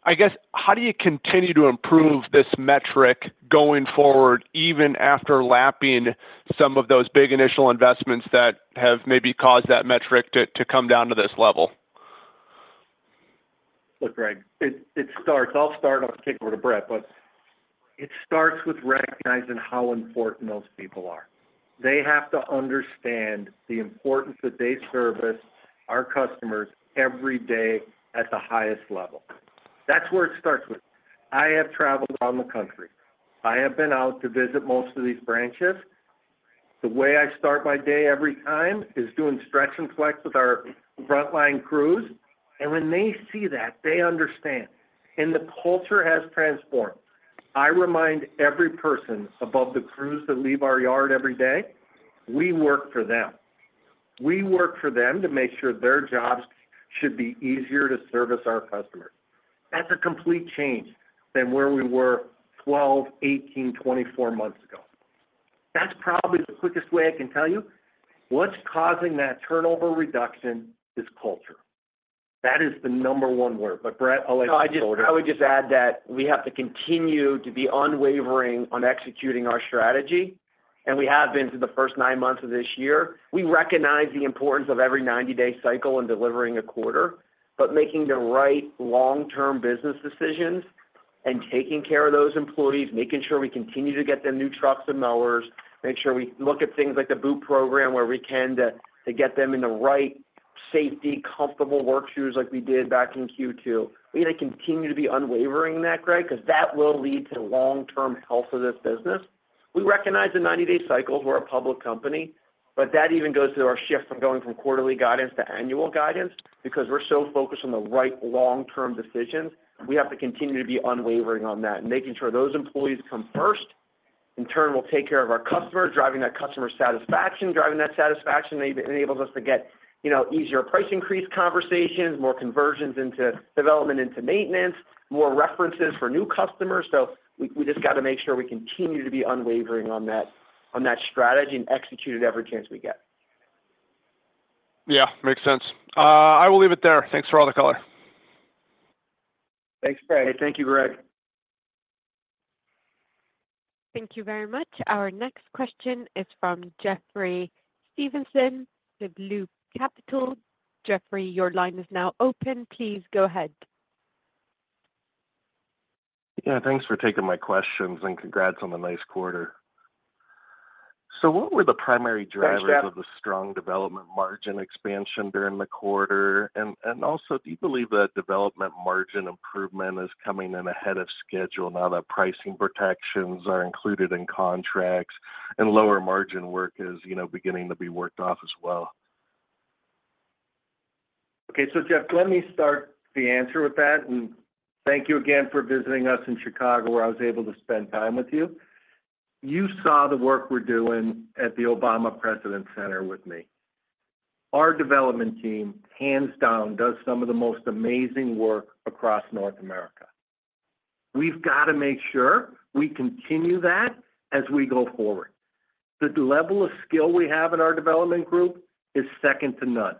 I guess, how do you continue to improve this metric going forward, even after lapping some of those big initial investments that have maybe caused that metric to come down to this level? Look, Greg, it starts. I'll start, and I'll kick it over to Brett, but it starts with recognizing how important those people are. They have to understand the importance that they service our customers every day at the highest level. That's where it starts with. I have traveled around the country. I have been out to visit most of these branches. The way I start my day every time is doing stretch and flex with our frontline crews, and when they see that, they understand. And the culture has transformed. I remind every person about the crews that leave our yard every day, we work for them. We work for them to make sure their jobs should be easier to service our customers. That's a complete change than where we were 12, 18, 24 months ago. That's probably the quickest way I can tell you. What's causing that turnover reduction is culture. That is the number one word, but Brett, I'll let you- No, I just, I would just add that we have to continue to be unwavering on executing our strategy, and we have been through the first nine months of this year. We recognize the importance of every 90-day cycle in delivering a quarter, but making the right long-term business decisions and taking care of those employees, making sure we continue to get them new trucks and mowers, make sure we look at things like the Boost program, where we can, to get them in the right safety, comfortable work shoes like we did back in Q2. We're gonna continue to be unwavering in that, Greg, 'cause that will lead to long-term health of this business. We recognize the 90-day cycles, we're a public company, but that even goes to our shift from going from quarterly guidance to annual guidance. Because we're so focused on the right long-term decisions, we have to continue to be unwavering on that and making sure those employees come first. In turn, we'll take care of our customers, driving that customer satisfaction, driving that satisfaction enables us to get, you know, easier price increase conversations, more conversions into development into maintenance, more references for new customers. So we, we just got to make sure we continue to be unwavering on that, on that strategy and execute it every chance we get. Yeah, makes sense. I will leave it there. Thanks for all the color. Thanks, Greg. Thank you, Greg. Thank you very much. Our next question is from Jeffrey Stevenson with Loop Capital. Jeffrey, your line is now open. Please go ahead. Yeah, thanks for taking my questions, and congrats on the nice quarter. So what were the primary drivers- Thanks, Jeff... of the strong development margin expansion during the quarter? And also, do you believe that development margin improvement is coming in ahead of schedule now that pricing protections are included in contracts and lower margin work is, you know, beginning to be worked off as well? Okay, so Jeff, let me start the answer with that, and thank you again for visiting us in Chicago, where I was able to spend time with you. You saw the work we're doing at the Obama Presidential Center with me. Our development team, hands down, does some of the most amazing work across North America. We've got to make sure we continue that as we go forward. The level of skill we have in our development group is second to none.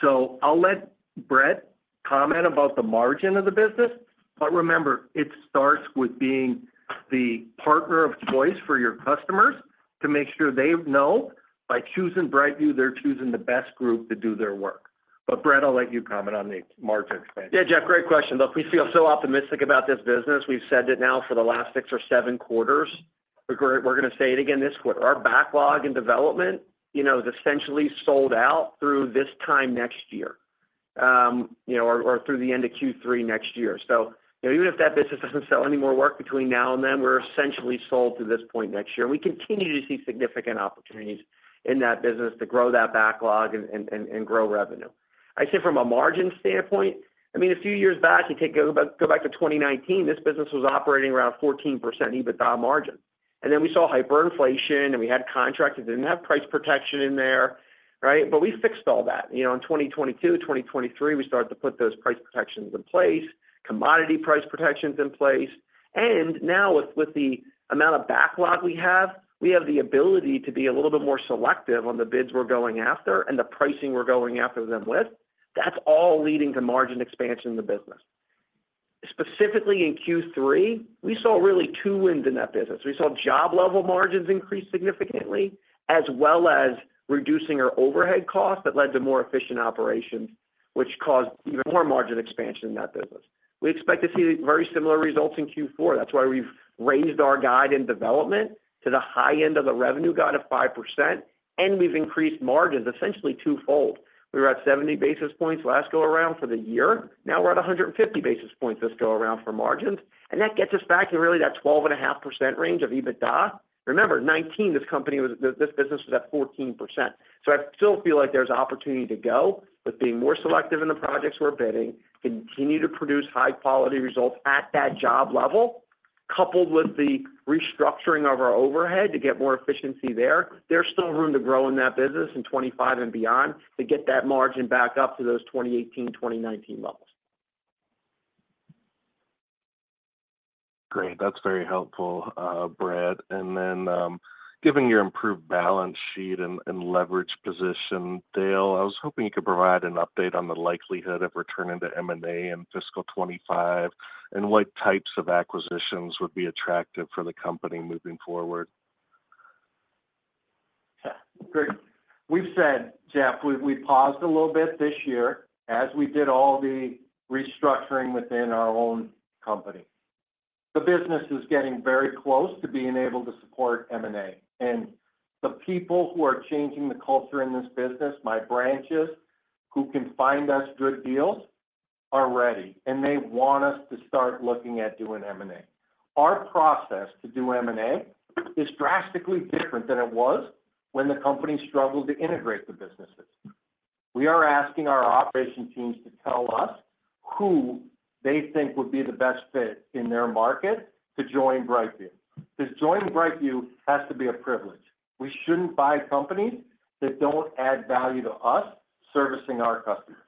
So I'll let Brett comment about the margin of the business, but remember, it starts with being the partner of choice for your customers to make sure they know by choosing BrightView, they're choosing the best group to do their work. But Brett, I'll let you comment on the margin expansion. Yeah, Jeff, great question, though. We feel so optimistic about this business. We've said it now for the last 6 or 7 quarters. We're gonna say it again this quarter. Our backlog in development, you know, is essentially sold out through this time next year, you know, or through the end of Q3 next year. So, you know, even if that business doesn't sell any more work between now and then, we're essentially sold through this point next year, and we continue to see significant opportunities in that business to grow that backlog and grow revenue. I'd say from a margin standpoint, I mean, a few years back, go back to 2019, this business was operating around 14% EBITDA margin. And then we saw hyperinflation, and we had contracts that didn't have price protection in there, right? But we fixed all that. You know, in 2022, 2023, we started to put those price protections in place, commodity price protections in place, and now with, with the amount of backlog we have, we have the ability to be a little bit more selective on the bids we're going after and the pricing we're going after them with. That's all leading to margin expansion in the business. Specifically in Q3, we saw really two wins in that business. We saw job level margins increase significantly, as well as reducing our overhead costs that led to more efficient operations, which caused even more margin expansion in that business. We expect to see very similar results in Q4. That's why we've raised our guide in development to the high end of the revenue guide of 5%, and we've increased margins essentially twofold. We were at 70 basis points last go around for the year, now we're at 150 basis points this go around for margins, and that gets us back in really that 12.5% range of EBITDA. Remember, 2019, this company was—this, this business was at 14%. So I still feel like there's opportunity to go, but being more selective in the projects we're bidding, continue to produce high-quality results at that job level, coupled with the restructuring of our overhead to get more efficiency there. There's still room to grow in that business in 2025 and beyond, to get that margin back up to those 2018, 2019 levels. Great. That's very helpful, Brett. And then, given your improved balance sheet and leverage position, Dale, I was hoping you could provide an update on the likelihood of returning to M&A in fiscal 2025, and what types of acquisitions would be attractive for the company moving forward? Yeah. Great. We've said, Jeff, we paused a little bit this year as we did all the restructuring within our own company. The business is getting very close to being able to support M&A, and the people who are changing the culture in this business, my branches, who can find us good deals, are ready, and they want us to start looking at doing M&A. Our process to do M&A is drastically different than it was when the company struggled to integrate the businesses. We are asking our operation teams to tell us who they think would be the best fit in their market to join BrightView. To join BrightView has to be a privilege. We shouldn't buy companies that don't add value to us servicing our customers.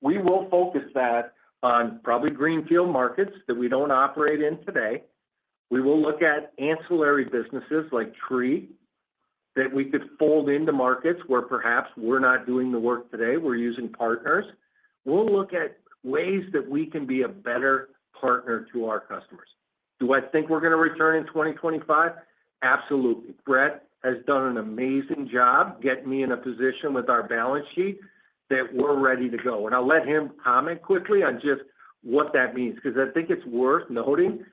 We will focus that on probably greenfield markets that we don't operate in today. We will look at ancillary businesses like tree, that we could fold into markets where perhaps we're not doing the work today, we're using partners. We'll look at ways that we can be a better partner to our customers. Do I think we're gonna return in 2025? Absolutely. Brett has done an amazing job getting me in a position with our balance sheet that we're ready to go. And I'll let him comment quickly on just what that means, 'cause I think it's worth noting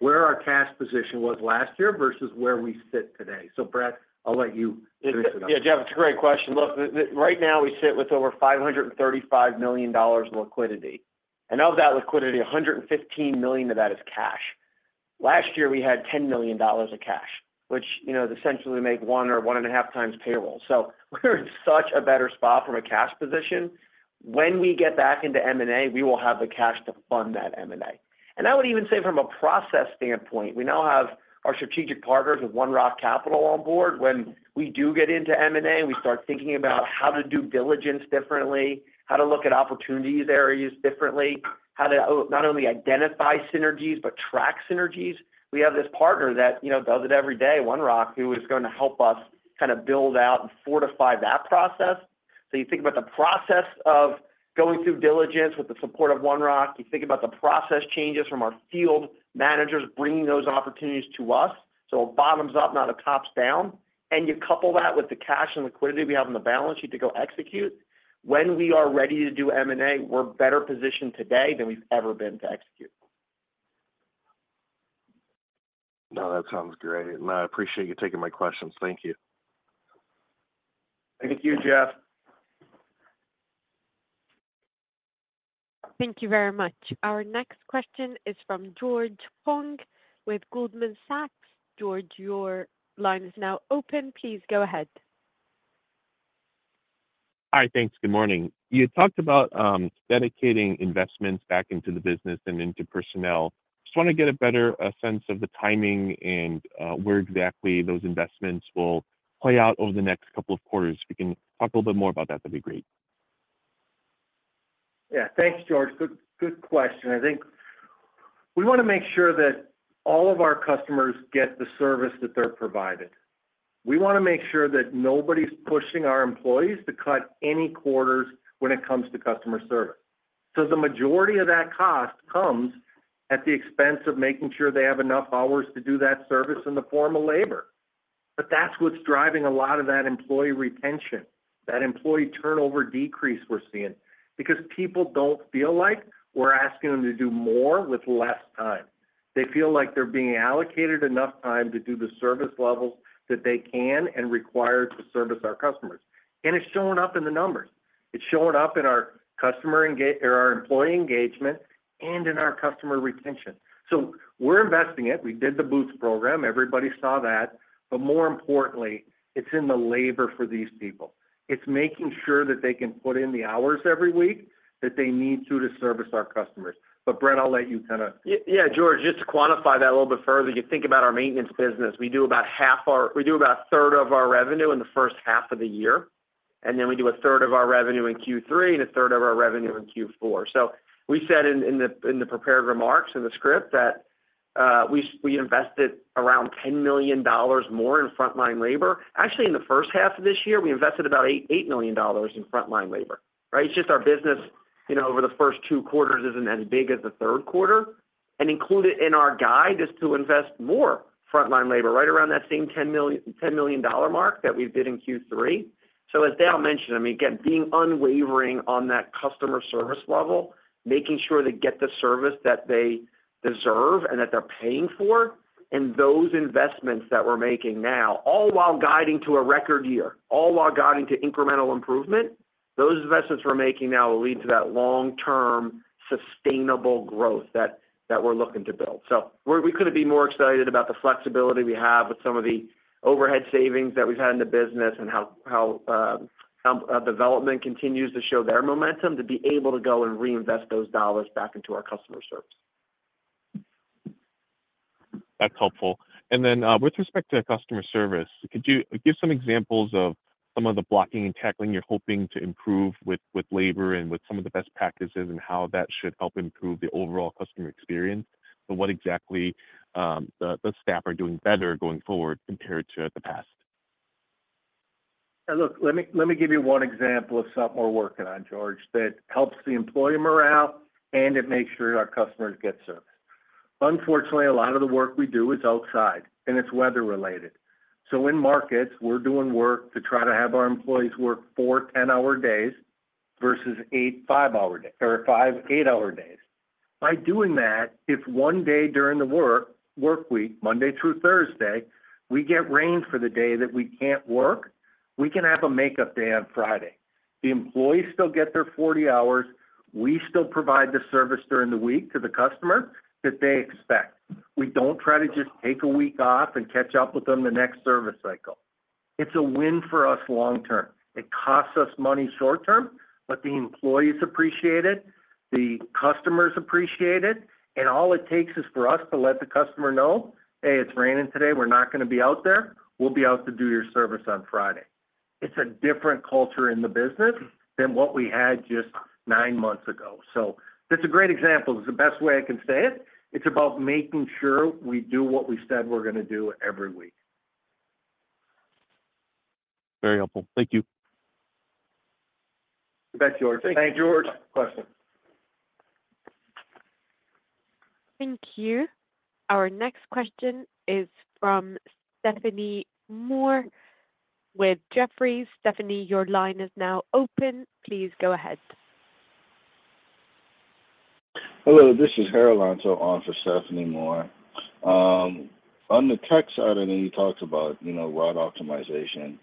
where our cash position was last year versus where we sit today. So, Brett, I'll let you finish it up. Yeah, Jeff, it's a great question. Look, right now we sit with over $535 million liquidity. And of that liquidity, $115 million of that is cash. Last year, we had $10 million of cash, which, you know, essentially make one or 1.5x payroll. So we're in such a better spot from a cash position. When we get back into M&A, we will have the cash to fund that M&A. And I would even say from a process standpoint, we now have our strategic partners with One Rock Capital on board. When we do get into M&A, we start thinking about how to do diligence differently, how to look at opportunities areas differently, how to not only identify synergies, but track synergies. We have this partner that, you know, does it every day, One Rock, who is gonna help us build out and fortify that process. So you think about the process of going through diligence with the support of One Rock, you think about the process changes from our field managers bringing those opportunities to us. So bottoms up, not a tops down, and you couple that with the cash and liquidity we have on the balance sheet to go execute. When we are ready to do M&A, we're better positioned today than we've ever been to execute. No, that sounds great. I appreciate you taking my questions. Thank you. Thank you, Jeff. Thank you very much. Our next question is from George Tong with Goldman Sachs. George, your line is now open. Please go ahead. Hi, thanks. Good morning. You talked about dedicating investments back into the business and into personnel. Just want to get a better sense of the timing and where exactly those investments will play out over the next couple of quarters. If you can talk a little bit more about that, that'd be great. Yeah. Thanks, George. Good, good question. I think we wanna make sure that all of our customers get the service that they're provided. We wanna make sure that nobody's pushing our employees to cut any quarters when it comes to customer service. So the majority of that cost comes at the expense of making sure they have enough hours to do that service in the form of labor. But that's what's driving a lot of that employee retention, that employee turnover decrease we're seeing, because people don't feel like we're asking them to do more with less time. They feel like they're being allocated enough time to do the service levels that they can and require to service our customers. And it's showing up in the numbers. It's showing up in our customer enga-- or our employee engagement and in our customer retention. So we're investing it. We did the Boots program. Everybody saw that. But more importantly, it's in the labor for these people. It's making sure that they can put in the hours every week that they need to, to service our customers. But, Brett, I'll let you kinda- Yeah, George, just to quantify that a little bit further, you think about our maintenance business. We do about a third of our revenue in the first half of the year, and then we do a third of our revenue in Q3, and a third of our revenue in Q4. So we said in the prepared remarks, in the script, that we invested around $10 million more in frontline labor. Actually, in the first half of this year, we invested about $8 million in frontline labor, right? It's just our business, you know, over the first two quarters isn't as big as the third quarter.... and included in our guide is to invest more frontline labor, right around that same $10 million, $10 million mark that we did in Q3. So as Dale mentioned, I mean, again, being unwavering on that customer service level, making sure they get the service that they deserve and that they're paying for, and those investments that we're making now, all while guiding to a record year, all while guiding to incremental improvement, those investments we're making now will lead to that long-term, sustainable growth that we're looking to build. So we're. We couldn't be more excited about the flexibility we have with some of the overhead savings that we've had in the business and how development continues to show their momentum, to be able to go and reinvest those dollars back into our customer service. That's helpful. And then, with respect to customer service, could you give some examples of some of the blocking and tackling you're hoping to improve with labor and with some of the best practices, and how that should help improve the overall customer experience? So what exactly, the staff are doing better going forward compared to the past? Yeah, look, let me, let me give you one example of something we're working on, George, that helps the employee morale, and it makes sure our customers get service. Unfortunately, a lot of the work we do is outside, and it's weather-related. So in markets, we're doing work to try to have our employees work four 10-hour days versus eight 5-hour days or five 8-hour days. By doing that, if one day during the work week, Monday through Thursday, we get rain for the day that we can't work, we can have a makeup day on Friday. The employees still get their 40 hours. We still provide the service during the week to the customer that they expect. We don't try to just take a week off and catch up with them the next service cycle. It's a win for us long term. It costs us money short term, but the employees appreciate it, the customers appreciate it, and all it takes is for us to let the customer know, "Hey, it's raining today. We're not gonna be out there. We'll be out to do your service on Friday." It's a different culture in the business than what we had just nine months ago. So that's a great example. It's the best way I can say it. It's about making sure we do what we said we're gonna do every week. Very helpful. Thank you. You bet, George. Thank you, George. Great question. Thank you. Our next question is from Stephanie Moore with Jefferies. Stephanie, your line is now open. Please go ahead. Hello, this is Harold Antor on for Stephanie Moore. On the tech side, I know you talked about, you know, route optimization.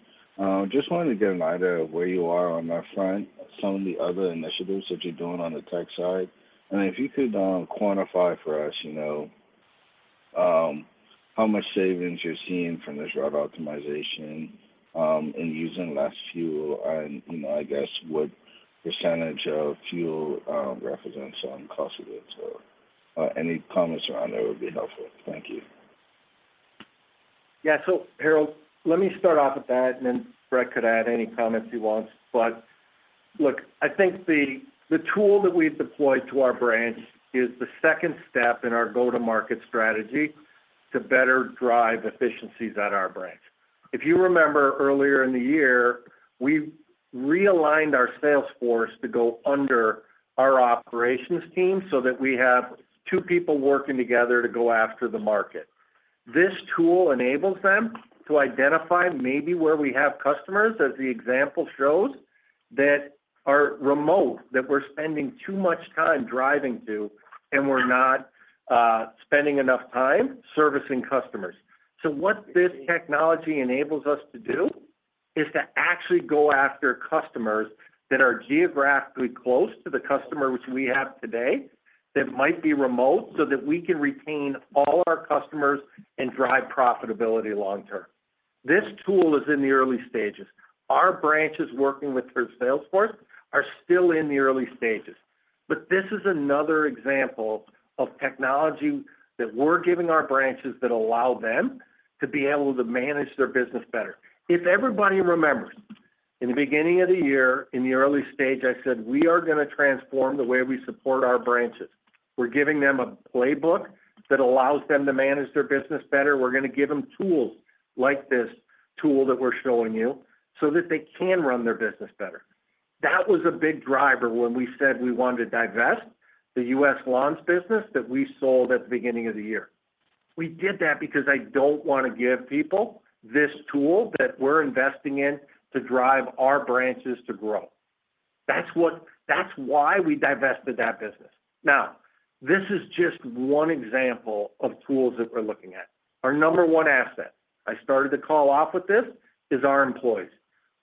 Just wanted to get an idea of where you are on that front, some of the other initiatives that you're doing on the tech side, and if you could, quantify for us, you know, how much savings you're seeing from this route optimization, in using less fuel and, you know, I guess, what percentage of fuel represents on cost of it. So, any comments around that would be helpful. Thank you. Yeah. So Harold, let me start off with that, and then Brett could add any comments he wants. But look, I think the tool that we've deployed to our branch is the second step in our go-to-market strategy to better drive efficiencies at our branch. If you remember earlier in the year, we realigned our sales force to go under our operations team so that we have two people working together to go after the market. This tool enables them to identify maybe where we have customers, as the example shows, that are remote, that we're spending too much time driving to, and we're not spending enough time servicing customers. So what this technology enables us to do is to actually go after customers that are geographically close to the customers we have today, that might be remote, so that we can retain all our customers and drive profitability long term. This tool is in the early stages. Our branches working with their sales force are still in the early stages, but this is another example of technology that we're giving our branches that allow them to be able to manage their business better. If everybody remembers, in the beginning of the year, in the early stage, I said, "We are gonna transform the way we support our branches. We're giving them a playbook that allows them to manage their business better. We're gonna give them tools like this tool that we're showing you so that they can run their business better." That was a big driver when we said we wanted to divest the U.S. Lawns business that we sold at the beginning of the year. We did that because I don't want to give people this tool that we're investing in to drive our branches to grow. That's what-- That's why we divested that business. Now, this is just one example of tools that we're looking at. Our number one asset, I started the call off with this, is our employees.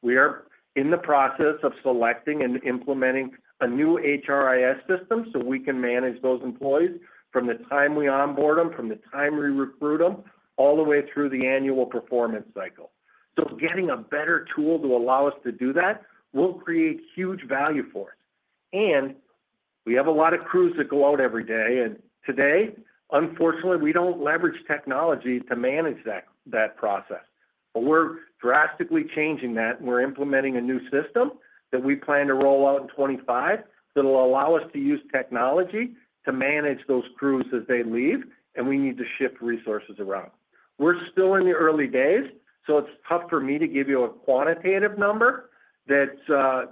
We are in the process of selecting and implementing a new HRIS system, so we can manage those employees from the time we onboard them, from the time we recruit them, all the way through the annual performance cycle. So getting a better tool to allow us to do that will create huge value for us. And we have a lot of crews that go out every day, and today, unfortunately, we don't leverage technology to manage that, that process. But we're drastically changing that. We're implementing a new system that we plan to roll out in 2025, that will allow us to use technology to manage those crews as they leave, and we need to shift resources around. We're still in the early days, so it's tough for me to give you a quantitative number.... that's,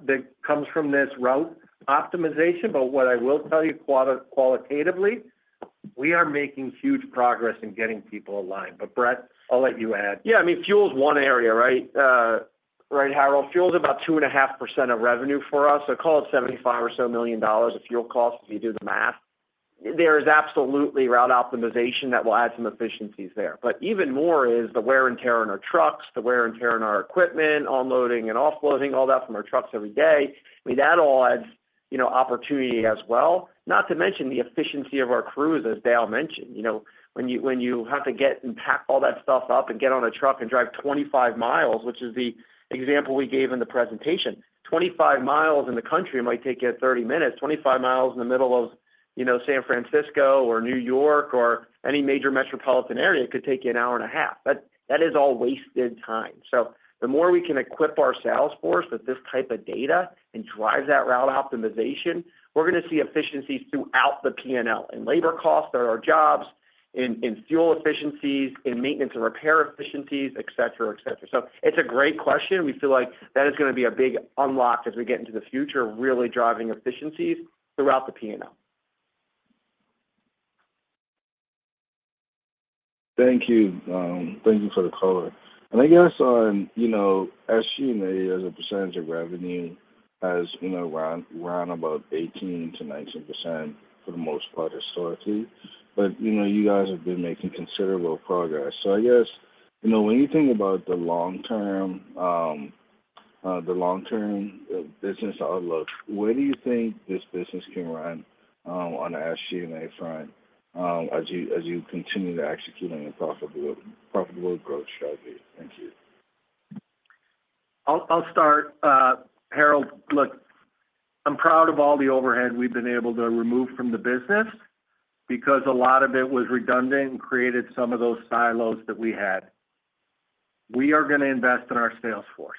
that comes from this route optimization. But what I will tell you qualitatively, we are making huge progress in getting people aligned. But, Brett, I'll let you add. Yeah, I mean, fuel is one area, right? Right, Harold, fuel is about 2.5% of revenue for us, so call it $75 million or so of fuel costs, if you do the math. There is absolutely route optimization that will add some efficiencies there. But even more is the wear and tear on our trucks, the wear and tear on our equipment, onloading and offloading, all that from our trucks every day. I mean, that all adds, you know, opportunity as well, not to mention the efficiency of our crews, as Dale mentioned. You know, when you, when you have to get and pack all that stuff up and get on a truck and drive 25 miles, which is the example we gave in the presentation, 25 miles in the country might take you 30 minutes. 25 miles in the middle of, you know, San Francisco or New York or any major metropolitan area, could take you an hour and a half. That, that is all wasted time. So the more we can equip our sales force with this type of data and drive that route optimization, we're gonna see efficiencies throughout the P&L. In labor costs, or our jobs, in, in fuel efficiencies, in maintenance and repair efficiencies, et cetera, et cetera. So it's a great question. We feel like that is gonna be a big unlock as we get into the future, really driving efficiencies throughout the P&L. Thank you. Thank you for the color. I guess on, you know, SG&A, as a percentage of revenue, has, you know, run about 18%-19% for the most part historically. But, you know, you guys have been making considerable progress. So I guess, you know, when you think about the long term, the long-term business outlook, where do you think this business can run on the SG&A front, as you continue to execute on your profitable growth strategy? Thank you. I'll start. Harold, look, I'm proud of all the overhead we've been able to remove from the business because a lot of it was redundant and created some of those silos that we had. We are gonna invest in our sales force.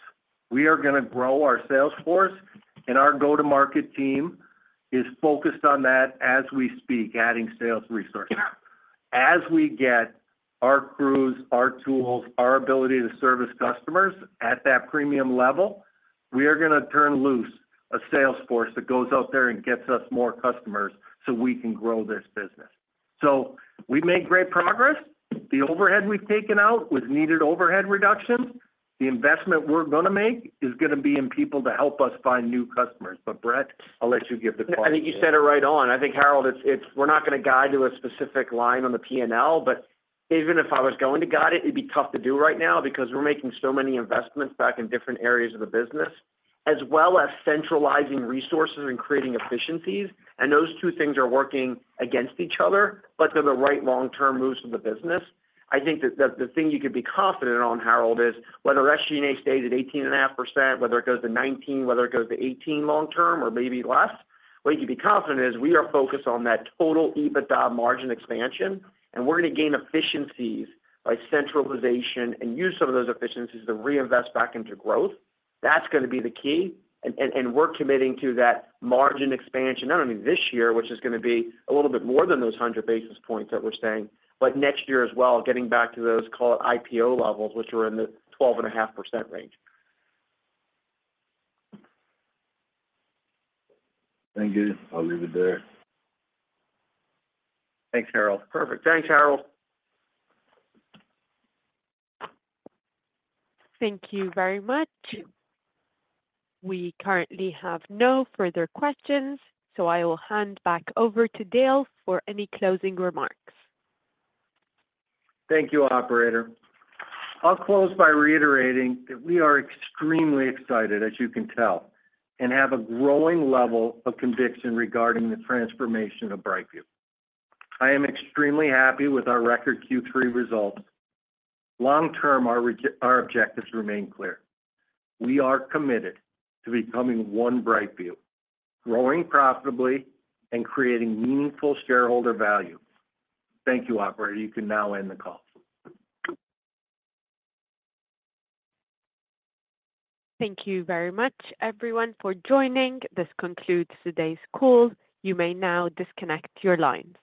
We are gonna grow our sales force, and our go-to-market team is focused on that as we speak, adding sales resources. As we get our crews, our tools, our ability to service customers at that premium level, we are gonna turn loose a sales force that goes out there and gets us more customers so we can grow this business. So we've made great progress. The overhead we've taken out was needed overhead reductions. The investment we're gonna make is gonna be in people to help us find new customers. But Brett, I'll let you give the- I think you said it right on. I think, Harold, it's we're not gonna guide to a specific line on the P&L, but even if I was going to guide it, it'd be tough to do right now because we're making so many investments back in different areas of the business, as well as centralizing resources and creating efficiencies, and those two things are working against each other, but they're the right long-term moves for the business. I think that the thing you could be confident on, Harold, is whether SG&A stays at 18.5%, whether it goes to 19%, whether it goes to 18% long term or maybe less, what you can be confident is we are focused on that total EBITDA margin expansion, and we're gonna gain efficiencies by centralization and use some of those efficiencies to reinvest back into growth. That's gonna be the key, and we're committing to that margin expansion, not only this year, which is gonna be a little bit more than those 100 basis points that we're saying, but next year as well, getting back to those, call it, IPO levels, which are in the 12.5% range. Thank you. I'll leave it there. Thanks, Harold. Perfect. Thanks, Harold. Thank you very much. We currently have no further questions, so I will hand back over to Dale for any closing remarks. Thank you, operator. I'll close by reiterating that we are extremely excited, as you can tell, and have a growing level of conviction regarding the transformation of BrightView. I am extremely happy with our record Q3 results. Long term, our objectives remain clear. We are committed to becoming one BrightView, growing profitably and creating meaningful shareholder value. Thank you, operator. You can now end the call. Thank you very much, everyone, for joining. This concludes today's call. You may now disconnect your line.